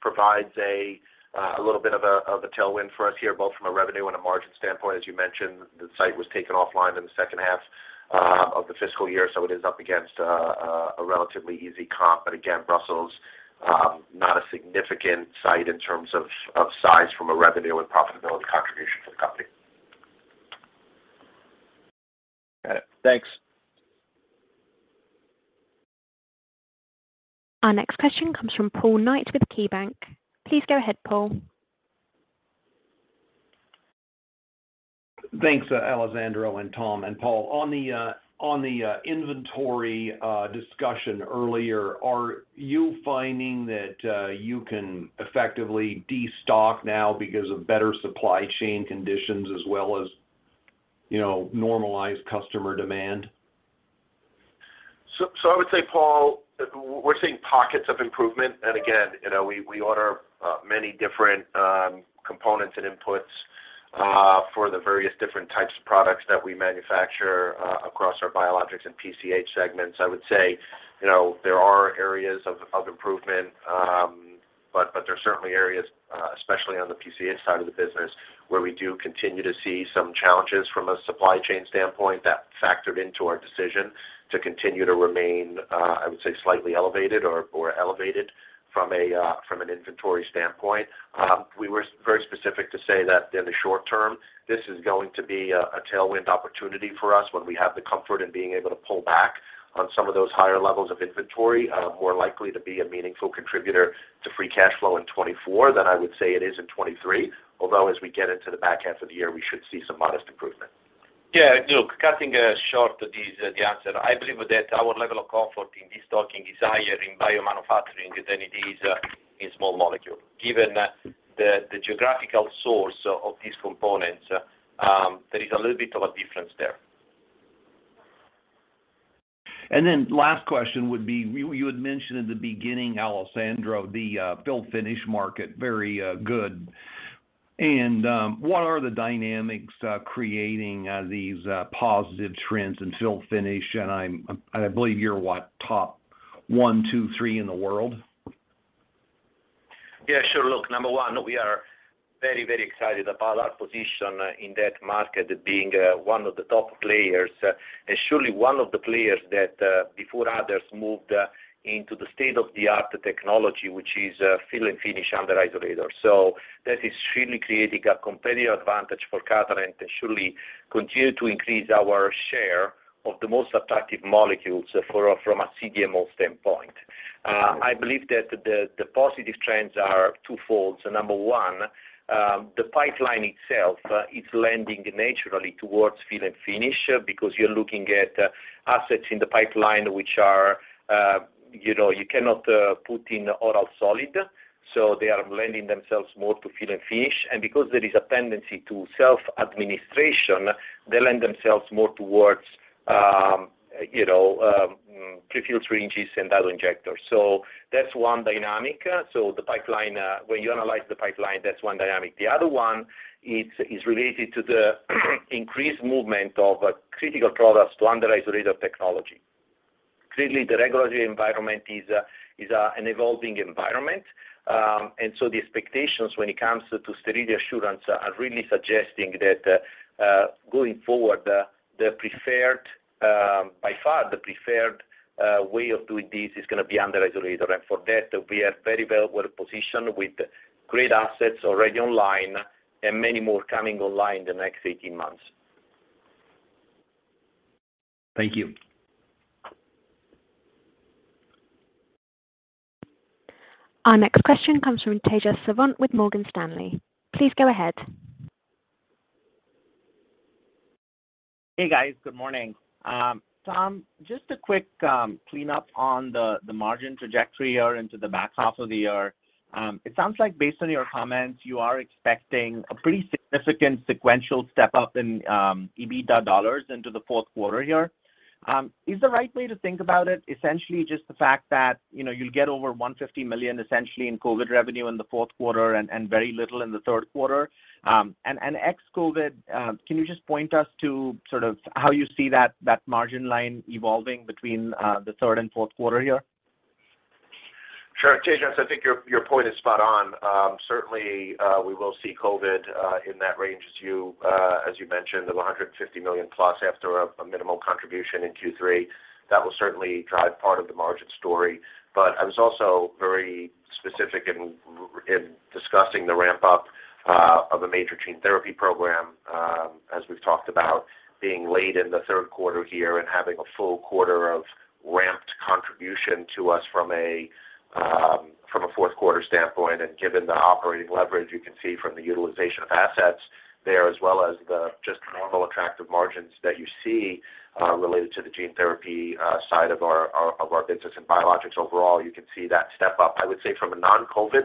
provides a little bit of a tailwind for us here, both from a revenue and a margin standpoint. As you mentioned, the site was taken offline in the second half of the fiscal year, it is up against a relatively easy comp. Again, Brussels, not a significant site in terms of size from a revenue and profitability contribution to the company. Got it. Thanks. Our next question comes from Paul Knight with KeyBank. Please go ahead, Paul. Thanks, Alessandro and Tom and Paul. On the, on the inventory discussion earlier, are you finding that you can effectively destock now because of better supply chain conditions as well as, you know, normalized customer demand? I would say, Paul, we're seeing pockets of improvement. Again, we order many different components and inputs for the various different types of products that we manufacture across our biologics and PCH segments. I would say, there are areas of improvement, but there's certainly areas, especially on the PCH side of the business, where we do continue to see some challenges from a supply chain standpoint that factored into our decision to continue to remain, I would say, slightly elevated or elevated from an inventory standpoint. We were very specific to say that in the short term, this is going to be a tailwind opportunity for us when we have the comfort in being able to pull back on some of those higher levels of inventory, more likely to be a meaningful contributor to free cash flow in 2024 than I would say it is in 2023. Although as we get into the back half of the year, we should see some modest improvement. Yeah. Look, cutting short is the answer. I believe that our level of comfort in destocking is higher in biomanufacturing than it is in small molecule. Given that the geographical source of these components, there is a little bit of a difference there. Last question would be, you had mentioned at the beginning, Alessandro, the fill finish market very good. What are the dynamics creating these positive trends in fill finish? I believe you're what? Top one, two, three in the world. Yeah, sure. Look, number one, we are very, very excited about our position in that market being one of the top players, and surely one of the players that before others moved into the state-of-the-art technology, which is fill and finish under isolator. That is really creating a competitive advantage for Catalent and surely continue to increase our share of the most attractive molecules from a CDMO standpoint. I believe that the positive trends are twofold. Number one, the pipeline itself is lending naturally towards fill and finish because you're looking at assets in the pipeline which are, you know, you cannot put in oral solid, they are lending themselves more to fill and finish. Because there is a tendency to self-administration, they lend themselves more towards, you know, prefilled syringes and auto-injectors. That's one dynamic. The pipeline, when you analyze the pipeline that's one dynamic. The other one is related to the increased movement of critical products to under isolator technology. Clearly, the regulatory environment is an evolving environment. The expectations when it comes to sterility assurance are really suggesting that going forward, the preferred, by far the preferred way of doing this is gonna be under isolator. For that we are very well positioned with great assets already online and many more coming online in the next 18 months. Thank you. Our next question comes from Tejas Savant with Morgan Stanley. Please go ahead. Hey, guys. Good morning. Tom, just a quick cleanup on the margin trajectory here into the back half of the year. It sounds like based on your comments, you are expecting a pretty significant sequential step-up in EBITDA dollars into the fourth quarter here. Is the right way to think about it essentially just the fact that, you know, you'll get over $150 million essentially in COVID revenue in the fourth quarter and very little in the third quarter? Ex-COVID, can you just point us to sort of how you see that margin line evolving between the third and fourth quarter here? Sure. Tejas, I think your point is spot on. Certainly, we will see COVID in that range as you mentioned, of $150 million+ after minimal contribution in Q3. That will certainly drive part of the margin story. I was also very specific in discussing the ramp-up of a major gene therapy program, as we've talked about being late in the third quarter here and having a full quarter of ramped contribution to us from a fourth quarter standpoint. Given the operating leverage you can see from the utilization of assets there, as well as the just normal attractive margins that you see related to the gene therapy side of our business and biologics overall, you can see that step up. I would say from a non-COVID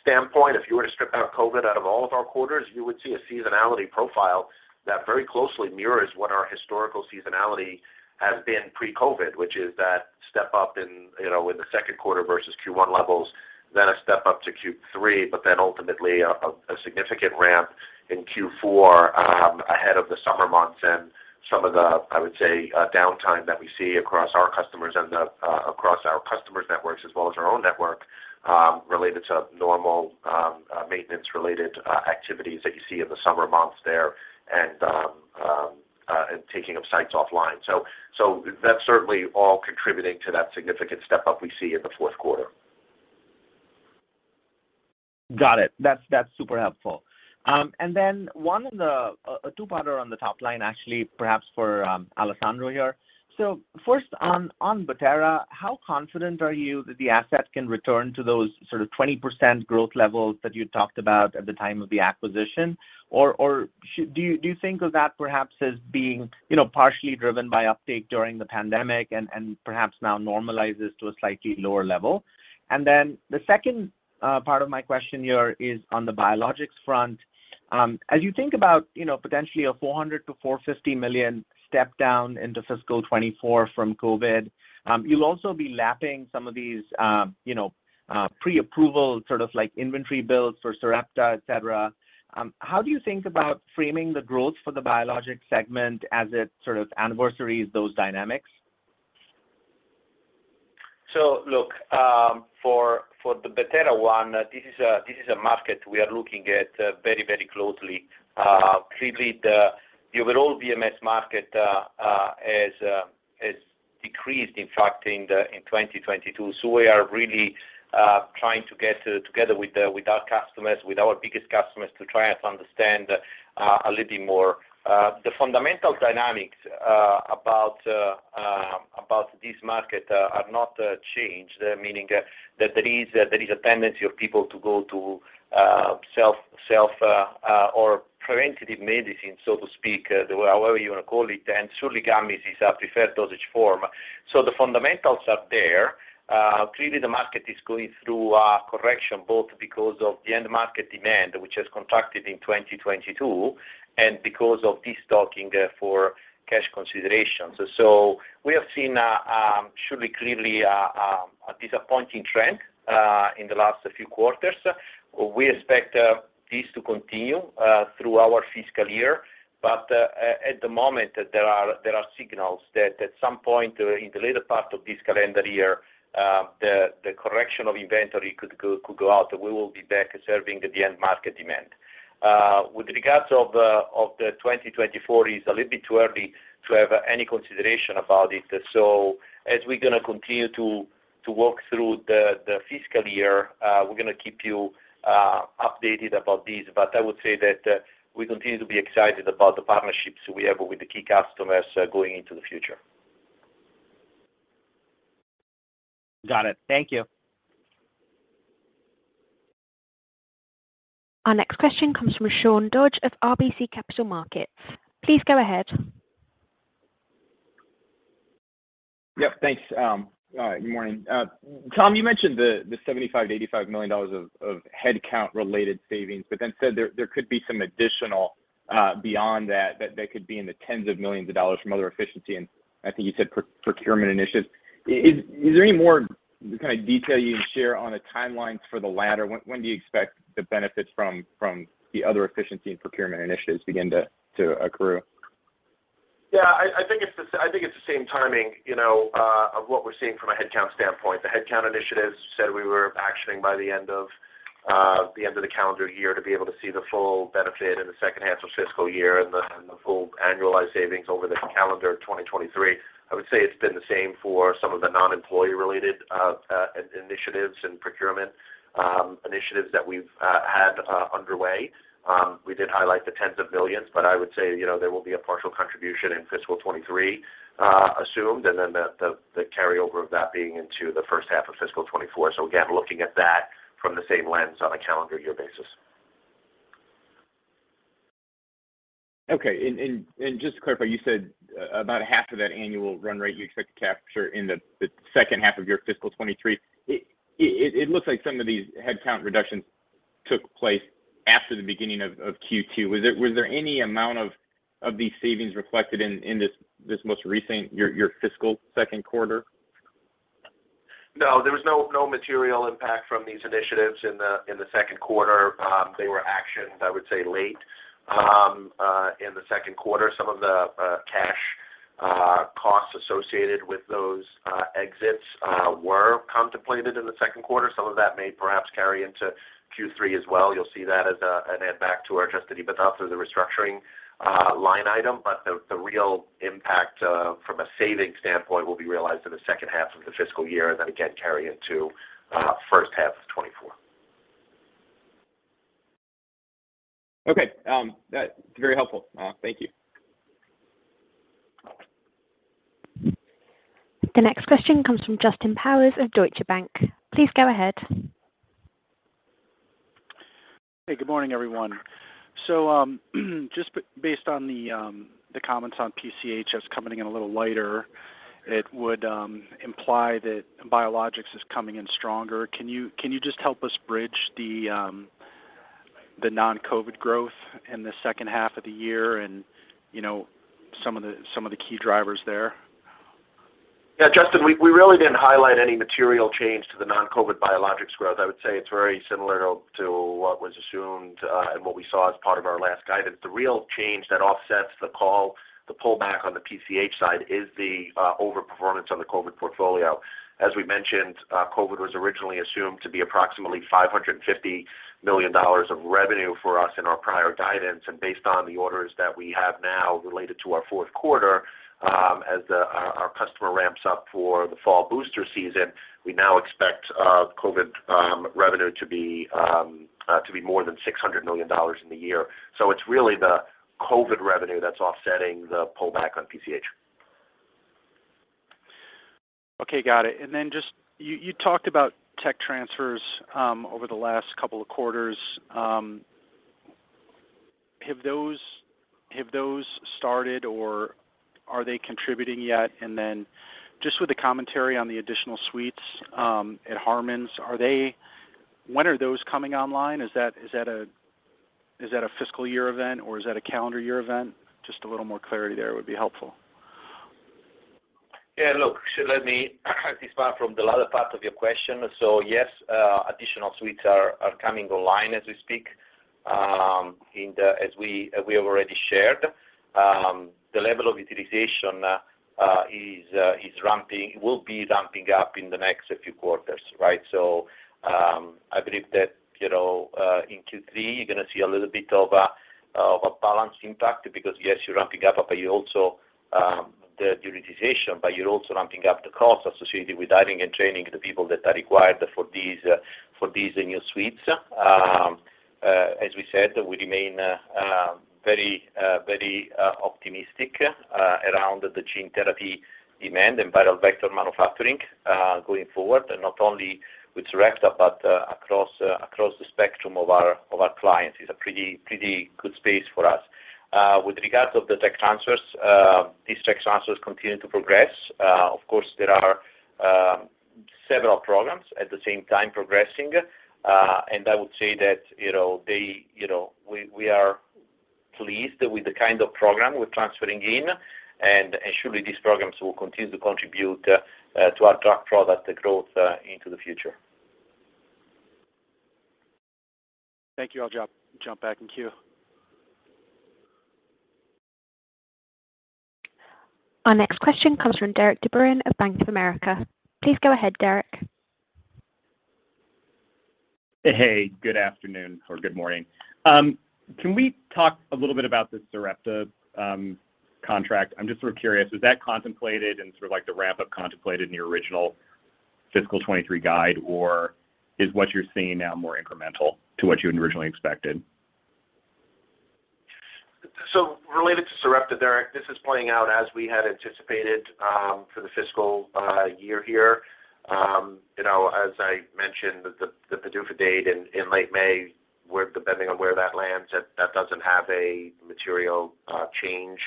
standpoint, if you were to strip out COVID out of all of our quarters, you would see a seasonality profile that very closely mirrors what our historical seasonality has been pre-COVID, which is that step up in, you know, in the second quarter versus Q1 levels, then a step up to Q3, but then ultimately a significant ramp in Q4 ahead of the summer months and some of the, I would say, downtime that we see across our customers and across our customers networks as well as our own network, related to normal maintenance-related activities that you see in the summer months there and taking of sites offline. That's certainly all contributing to that significant step up we see in the fourth quarter. Got it. That's, that's super helpful. One, a two-parter on the top line, actually, perhaps for Alessandro here. First on Bettera, how confident are you that the asset can return to those sort of 20% growth levels that you talked about at the time of the acquisition? Do you think of that perhaps as being, you know, partially driven by uptake during the pandemic and perhaps now normalizes to a slightly lower level? The second part of my question here is on the biologics front. As you think about, you know, potentially a $400 million-$450 million step down into fiscal 2024 from COVID, you'll also be lapping some of these, you know, pre-approval sort of like inventory builds for Sarepta, et cetera. How do you think about framing the growth for the biologics segment as it sort of anniversaries those dynamics? Look, for the Bettera one, this is a market we are looking at very, very closely. Clearly the overall VMS market has decreased, in fact, in 2022. We are really trying to get together with our customers, with our biggest customers to try and understand a little bit more. The fundamental dynamics about this market have not changed, meaning there is a tendency of people to go to self or preventative medicine, so to speak, however you wanna call it, and surely gummies is a preferred dosage form. The fundamentals are there. Clearly the market is going through a correction both because of the end market demand, which has contracted in 2022 and because of this talking for cash considerations. We have seen, surely clearly, a disappointing trend in the last few quarters. We expect this to continue through our fiscal year. At the moment, there are signals that at some point in the later part of this calendar year, the correction of inventory could go out. We will be back serving the end market demand. With regards of the 2024 is a little bit too early to have any consideration about it. As we're gonna continue to work through the fiscal year, we're gonna keep you updated about this. I would say that, we continue to be excited about the partnerships we have with the key customers going into the future. Got it. Thank you. Our next question comes from Sean Dodge of RBC Capital Markets. Please go ahead. Yep. Thanks. good morning. Tom, you mentioned the $75 million-$85 million of headcount related savings, but then said there could be some additional beyond that could be in the tens of millions of dollars from other efficiency, and I think you said procurement initiatives. Is there any more kind of detail you can share on the timelines for the latter? When do you expect the benefits from the other efficiency and procurement initiatives begin to accrue? Yeah, I think it's the same timing, you know, of what we're seeing from a headcount standpoint. The headcount initiatives said we were actioning by the end of the calendar year to be able to see the full benefit in the second half of fiscal year and the full annualized savings over the calendar of 2023. I would say it's been the same for some of the non-employee related initiatives and procurement initiatives that we've had underway. We did highlight the $tens of millions, but I would say, you know, there will be a partial contribution in fiscal 2023 assumed, and then the carryover of that being into the first half of fiscal 2024. Again, looking at that from the same lens on a calendar year basis. Okay. Just to clarify, you said about half of that annual run rate you expect to capture in the second half of your fiscal 2023. It looks like some of these headcount reductions took place after the beginning of Q2. Was there any amount of these savings reflected in this most recent, your fiscal second quarter? There was no material impact from these initiatives in the second quarter. They were actioned, I would say, late in the second quarter. Some of the cash costs associated with those exits were contemplated in the second quarter. Some of that may perhaps carry into Q3 as well. You'll see that as an add back to our adjusted EBITDA through the restructuring line item. The real impact from a saving standpoint will be realized in the second half of the fiscal year and then again carry into first half of 2024. Okay. That's very helpful. Thank you. The next question comes from Justin Bowers of Deutsche Bank. Please go ahead. Hey, good morning, everyone. Based on the comments on PCH that's coming in a little lighter, it would imply that biologics is coming in stronger. Can you just help us bridge the non-COVID growth in the second half of the year and, you know, some of the key drivers there? Yeah, Justin, we really didn't highlight any material change to the non-COVID biologics growth. I would say it's very similar to what was assumed and what we saw as part of our last guidance. The real change that offsets the pullback on the PCH side is the overperformance on the COVID portfolio. As we mentioned, COVID was originally assumed to be approximately $550 million of revenue for us in our prior guidance. Based on the orders that we have now related to our fourth quarter, as our customer ramps up for the fall booster season, we now expect COVID revenue to be more than $600 million in the year. It's really the COVID revenue that's offsetting the pullback on PCH. Okay, got it. You talked about tech transfers over the last couple of quarters. Have those started, or are they contributing yet? With the commentary on the additional suites at Harmans, when are those coming online? Is that a fiscal year event, or is that a calendar year event? Just a little more clarity there would be helpful. Let me start from the latter part of your question. Yes, additional suites are coming online as we speak. As we have already shared, the level of utilization is ramping, will be ramping up in the next few quarters. I believe that you know, in Q3, you're gonna see a little bit of a, of a balance impact because yes, you're ramping up, but you're also the utilization, but you're also ramping up the cost associated with hiring and training the people that are required for these, for these new suites. As we said, we remain very, very optimistic around the gene therapy demand and viral vector manufacturing going forward, not only with Sarepta, but across the spectrum of our clients. It's a pretty good space for us. With regards of the tech transfers, these tech transfers continue to progress. Of course, there are several programs at the same time progressing. I would say that, you know, we are pleased with the kind of program we're transferring in, and surely these programs will continue to contribute to our drug product growth into the future. Thank you. I'll jump back in queue. Our next question comes from Derik de Bruin of Bank of America. Please go ahead, Derik. Hey, good afternoon or good morning. Can we talk a little bit about this Sarepta contract? I'm just sort of curious, was that contemplated and sort of like the ramp-up contemplated in your original fiscal 2023 guide, or is what you're seeing now more incremental to what you had originally expected? Related to Sarepta, Derik, this is playing out as we had anticipated, for the fiscal year here. You know, as I mentioned, the PDUFA date in late May, we're depending on where that lands, that doesn't have a material change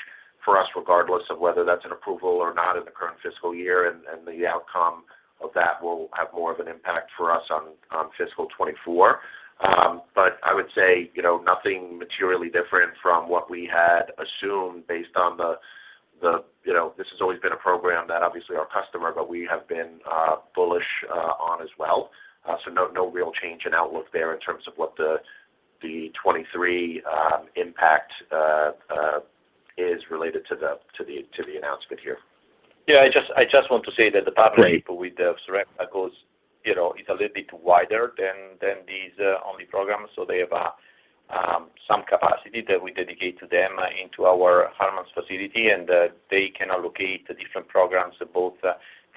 for us, regardless of whether that's an approval or not in the current fiscal year, and the outcome of that will have more of an impact for us on fiscal 2024. I would say, you know, nothing materially different from what we had assumed based on the, you know, this has always been a program that obviously our customer, but we have been bullish on as well. No, no real change in outlook there in terms of what the 2023 impact is related to the announcement here. I just want to say that the pathway with the Sarepta goes, you know, is a little bit wider than these only programs. They have some capacity that we dedicate to them into our Harmans facility, and they can allocate the different programs, both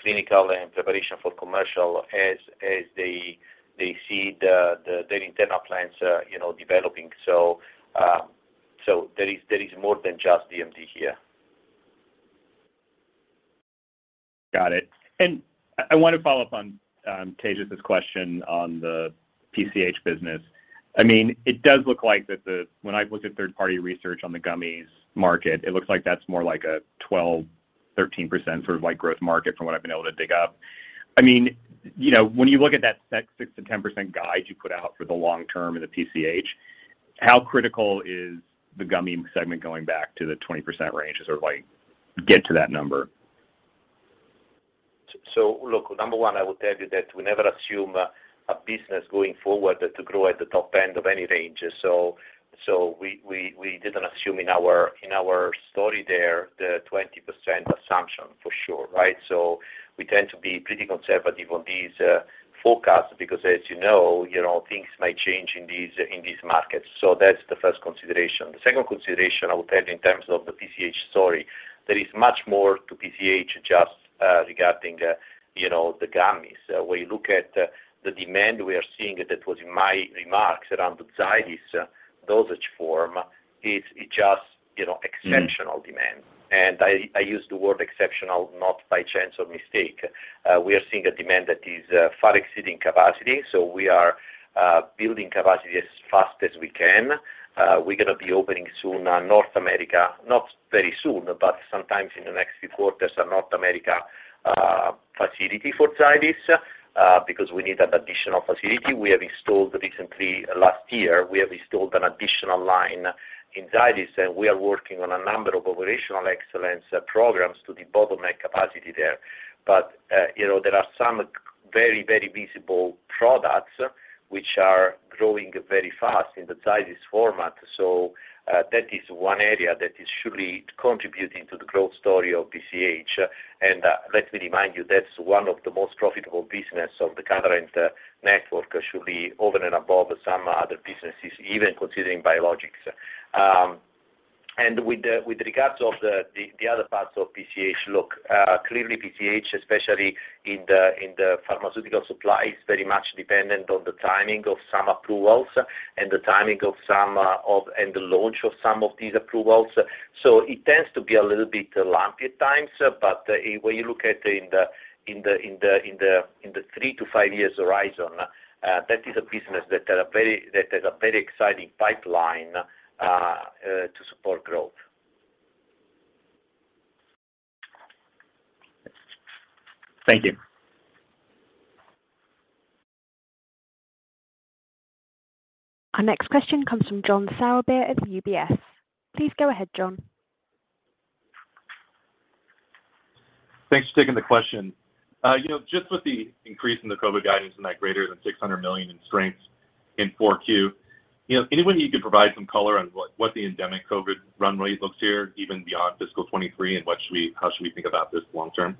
clinical and preparation for commercial as they see the their internal plans, you know, developing. There is more than just DMD here. Got it. I want to follow up on Tejas's question on the PCH business. I mean, it does look like that when I look at third-party research on the gummies market, it looks like that's more like a 12%-13% sort of like growth market from what I've been able to dig up. I mean, you know, when you look at that 6%-10% guide you put out for the long term in the PCH, how critical is the gummy segment going back to the 20% range to sort of like get to that number? Look, number one, I will tell you that we never assume a business going forward to grow at the top end of any range. We didn't assume in our, in our story there the 20% assumption for sure, right? We tend to be pretty conservative on these forecasts because as you know, things might change in these markets. That's the first consideration. The second consideration I will tell you in terms of the PCH story, there is much more to PCH just regarding, you know, the gummies. When you look at the demand we are seeing that was in my remarks around the psoriasis dosage form, it's just, you know, exceptional demand. I use the word exceptional not by chance or mistake. We are seeing a demand that is far exceeding capacity. We are building capacity as fast as we can. We're gonna be opening soon North America, not very soon, but sometimes in the next few quarters, a North America facility for Zydis because we need an additional facility. We have installed recently, last year, we have installed an additional line in Zydis, and we are working on a number of operational excellence programs to debottleneck capacity there. You know, there are some very, very visible products which are growing very fast in the Zydis format. That is one area that is surely contributing to the growth story of PCH. Let me remind you, that's one of the most profitable business of the Catalent network, surely over and above some other businesses, even considering biologics. With the, with regards of the other parts of PCH, look, clearly PCH, especially in the pharmaceutical supply, is very much dependent on the timing of some approvals and the launch of some of these approvals. It tends to be a little bit lumpy at times, but when you look at in the three to five years horizon, that is a business that has a very exciting pipeline to support growth. Thank you. Our next question comes from John Sourbeer of UBS. Please go ahead, John. Thanks for taking the question. you know, just with the increase in the COVID guidance and that greater than $600 million in strengths in 4Q, you know, anybody who could provide some color on what the endemic COVID run rate looks here, even beyond fiscal 2023, and how should we think about this long term?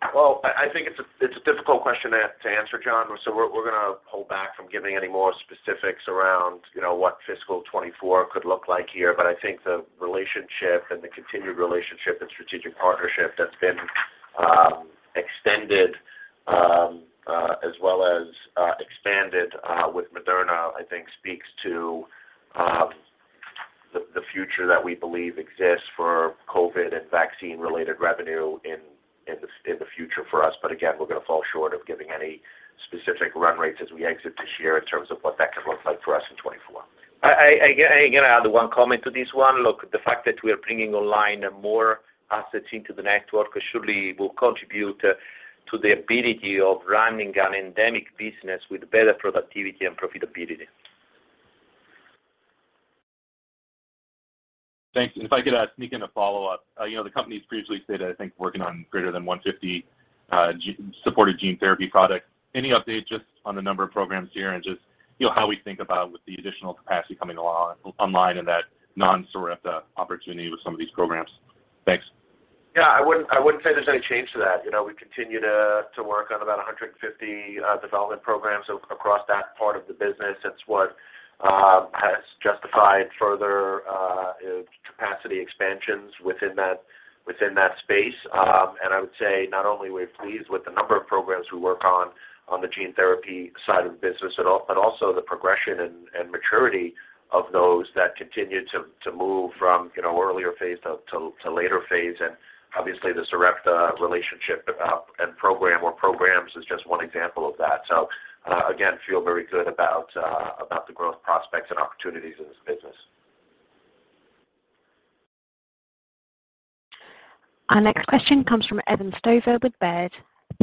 I think it's a difficult question to answer, John. We're gonna hold back from giving any more specifics around, you know, what fiscal 2024 could look like here. I think the relationship and the continued relationship and strategic partnership that's been extended as well as expanded with Moderna, I think speaks to the future that we believe exists for COVID and vaccine-related revenue in the future for us. Again, we're gonna fall short of giving any specific run rates as we exit this year in terms of what that could look like for us in 2024. I again, I'm gonna add one comment to this one. Look, the fact that we are bringing online more assets into the network surely will contribute to the ability of running an endemic business with better productivity and profitability. Thanks. If I could, sneak in a follow-up. You know, the company's previously said, I think, working on greater than 150 gene therapy products. Any update just on the number of programs here and just, you know, how we think about with the additional capacity coming along online and that non-Sarepta opportunity with some of these programs? Thanks. Yeah. I wouldn't say there's any change to that. You know, we continue to work on about 150 development programs across that part of the business. It's what has justified further capacity expansions within that, within that space. I would say not only we're pleased with the number of programs we work on on the gene therapy side of the business, but also the progression and maturity of those that continue to move from, you know, earlier phase to later phase. Obviously, the Sarepta relationship and program or programs is just one example of that. Again, feel very good about the growth prospects and opportunities in this business. Our next question comes from Evan Stover with Baird.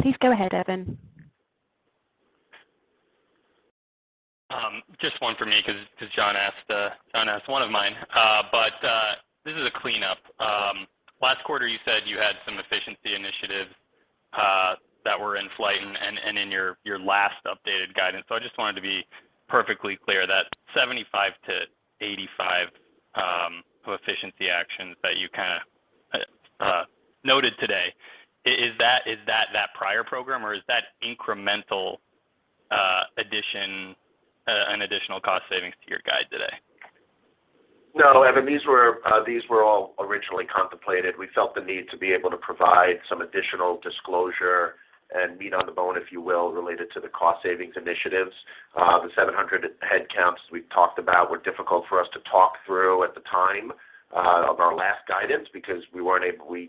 Please go ahead, Evan. Just one for me because John asked one of mine. This is a cleanup. Last quarter, you said you had some efficiency initiatives that were in flight and in your last updated guidance. I just wanted to be perfectly clear that 75-85 efficiency actions that you kinda noted today, is that prior program or is that incremental addition, an additional cost savings to your guide today? No, Evan, these were, these were all originally contemplated. We felt the need to be able to provide some additional disclosure and meat on the bone, if you will, related to the cost savings initiatives. The 700 headcounts we've talked about were difficult for us to talk through at the time of our last guidance because we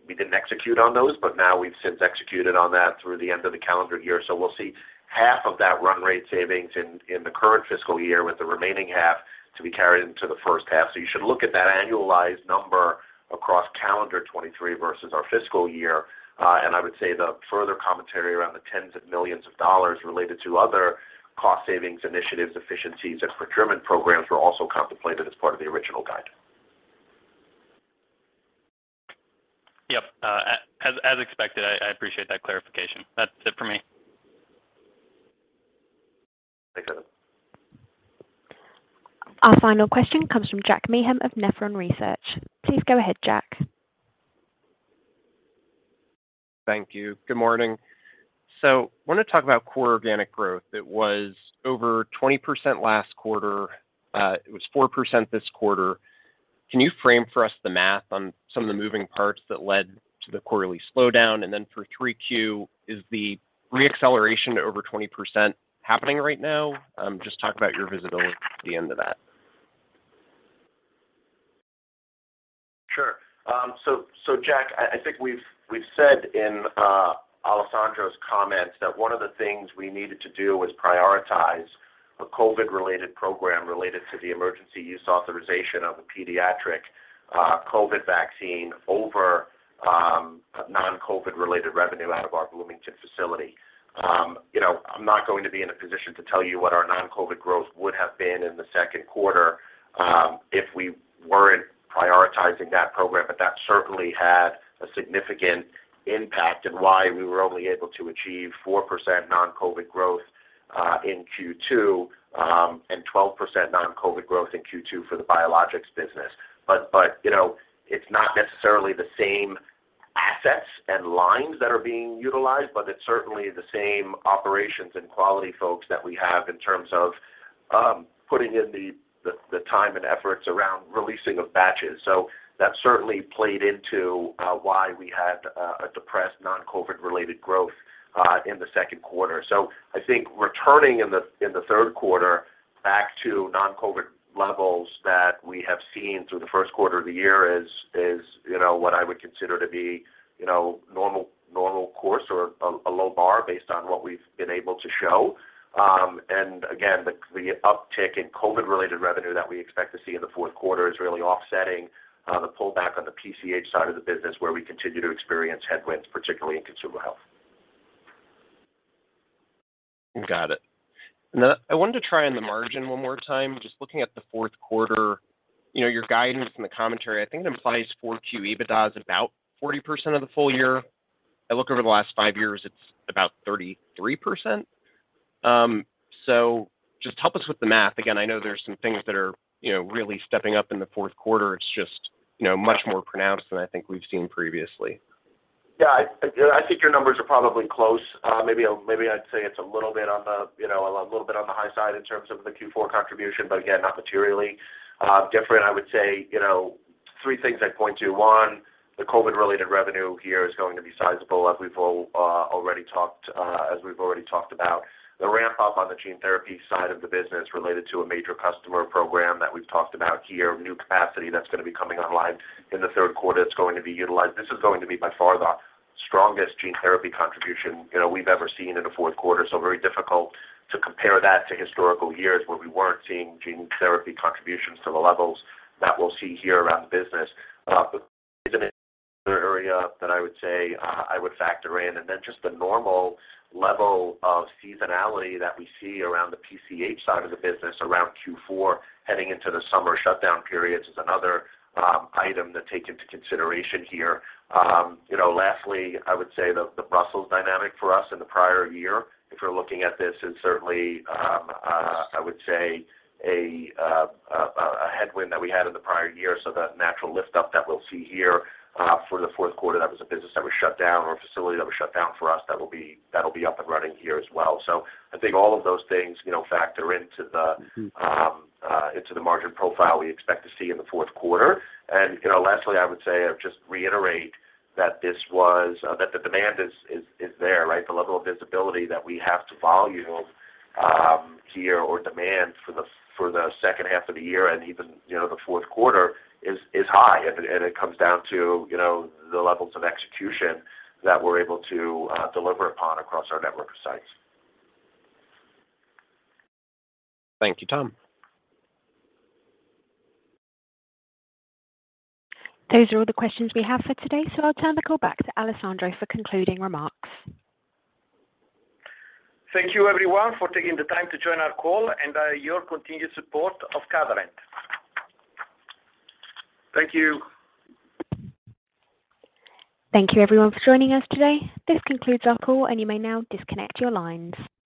didn't execute on those, but now we've since executed on that through the end of the calendar year. We'll see half of that run rate savings in the current fiscal year with the remaining half to be carried into the first half. You should look at that annualized number across calendar 2023 versus our fiscal year. I would say the further commentary around the tens of millions of dollars related to other cost savings initiatives, efficiencies, and procurement programs were also contemplated as part of the original guide. Yep. as expected. I appreciate that clarification. That's it for me. Thanks, Evan. Our final question comes from Jack Meehan of Nephron Research. Please go ahead, Jack. Thank you. Good morning. Wanna talk about core organic growth. It was over 20% last quarter. It was 4% this quarter. Can you frame for us the math on some of the moving parts that led to the quarterly slowdown? Then for Q3, is the reacceleration to over 20% happening right now? Just talk about your visibility to the end of that. Jack, I think we've said in Alessandro's comments that one of the things we needed to do was prioritize a COVID-related program related to the Emergency Use Authorization of a pediatric COVID vaccine over non-COVID related revenue out of our Bloomington facility. You know, I'm not going to be in a position to tell you what our non-COVID growth would have been in the second quarter if we weren't prioritizing that program. That certainly had a significant impact in why we were only able to achieve 4% non-COVID growth in Q2, and 12% non-COVID growth in Q2 for the biologics business. You know, it's not necessarily the same assets and lines that are being utilized, but it's certainly the same operations and quality folks that we have in terms of putting in the time and efforts around releasing of batches. That certainly played into why we had a depressed non-COVID related growth in the second quarter. I think returning in the third quarter back to non-COVID levels that we have seen through the first quarter of the year is, you know, what I would consider to be, you know, normal course or a low bar based on what we've been able to show. Again, the uptick in COVID related revenue that we expect to see in the fourth quarter is really offsetting the pullback on the PCH side of the business where we continue to experience headwinds, particularly in Consumer Health. Got it. I wanted to try on the margin one more time, just looking at the fourth quarter. You know, your guidance and the commentary, I think it implies 4Q EBITDA is about 40% of the full year. I look over the last five years, it's about 33%. Just help us with the math. Again, I know there's some things that are, you know, really stepping up in the fourth quarter. It's just, you know, much more pronounced than I think we've seen previously. Yeah. I think your numbers are probably close. Maybe I'd say it's a little bit on the, you know, a little bit on the high side in terms of the Q4 contribution, but again, not materially different. I would say, you know, three things I'd point to. One, the COVID related revenue here is going to be sizable, as we've all already talked about. The ramp up on the gene therapy side of the business related to a major customer program that we've talked about here, new capacity that's going to be coming online in the third quarter that's going to be utilized. This is going to be by far the strongest gene therapy contribution, you know, we've ever seen in a fourth quarter. Very difficult to compare that to historical years where we weren't seeing gene therapy contributions to the levels that we'll see here around the business. But is another area that I would say I would factor in, and then just the normal level of seasonality that we see around the PCH side of the business around Q4 heading into the summer shutdown periods is another item to take into consideration here. You know, lastly, I would say the Brussels dynamic for us in the prior year, if you're looking at this, is certainly, I would say a headwind that we had in the prior year. The natural lift up that we'll see here, for the fourth quarter, that was a business that was shut down or a facility that was shut down for us that'll be up and running here as well. I think all of those things, you know, factor into... Mm-hmm into the margin profile we expect to see in the fourth quarter. You know, lastly, I would say or just reiterate that this was, that the demand is there, right? The level of visibility that we have to volume, here or demand for the second half of the year and even, you know, the fourth quarter is high. It comes down to, you know, the levels of execution that we're able to deliver upon across our network of sites. Thank you, Tom. Those are all the questions we have for today, so I'll turn the call back to Alessandro for concluding remarks. Thank you everyone for taking the time to join our call and your continued support of Catalent. Thank you. Thank you everyone for joining us today. This concludes our call. You may now disconnect your lines.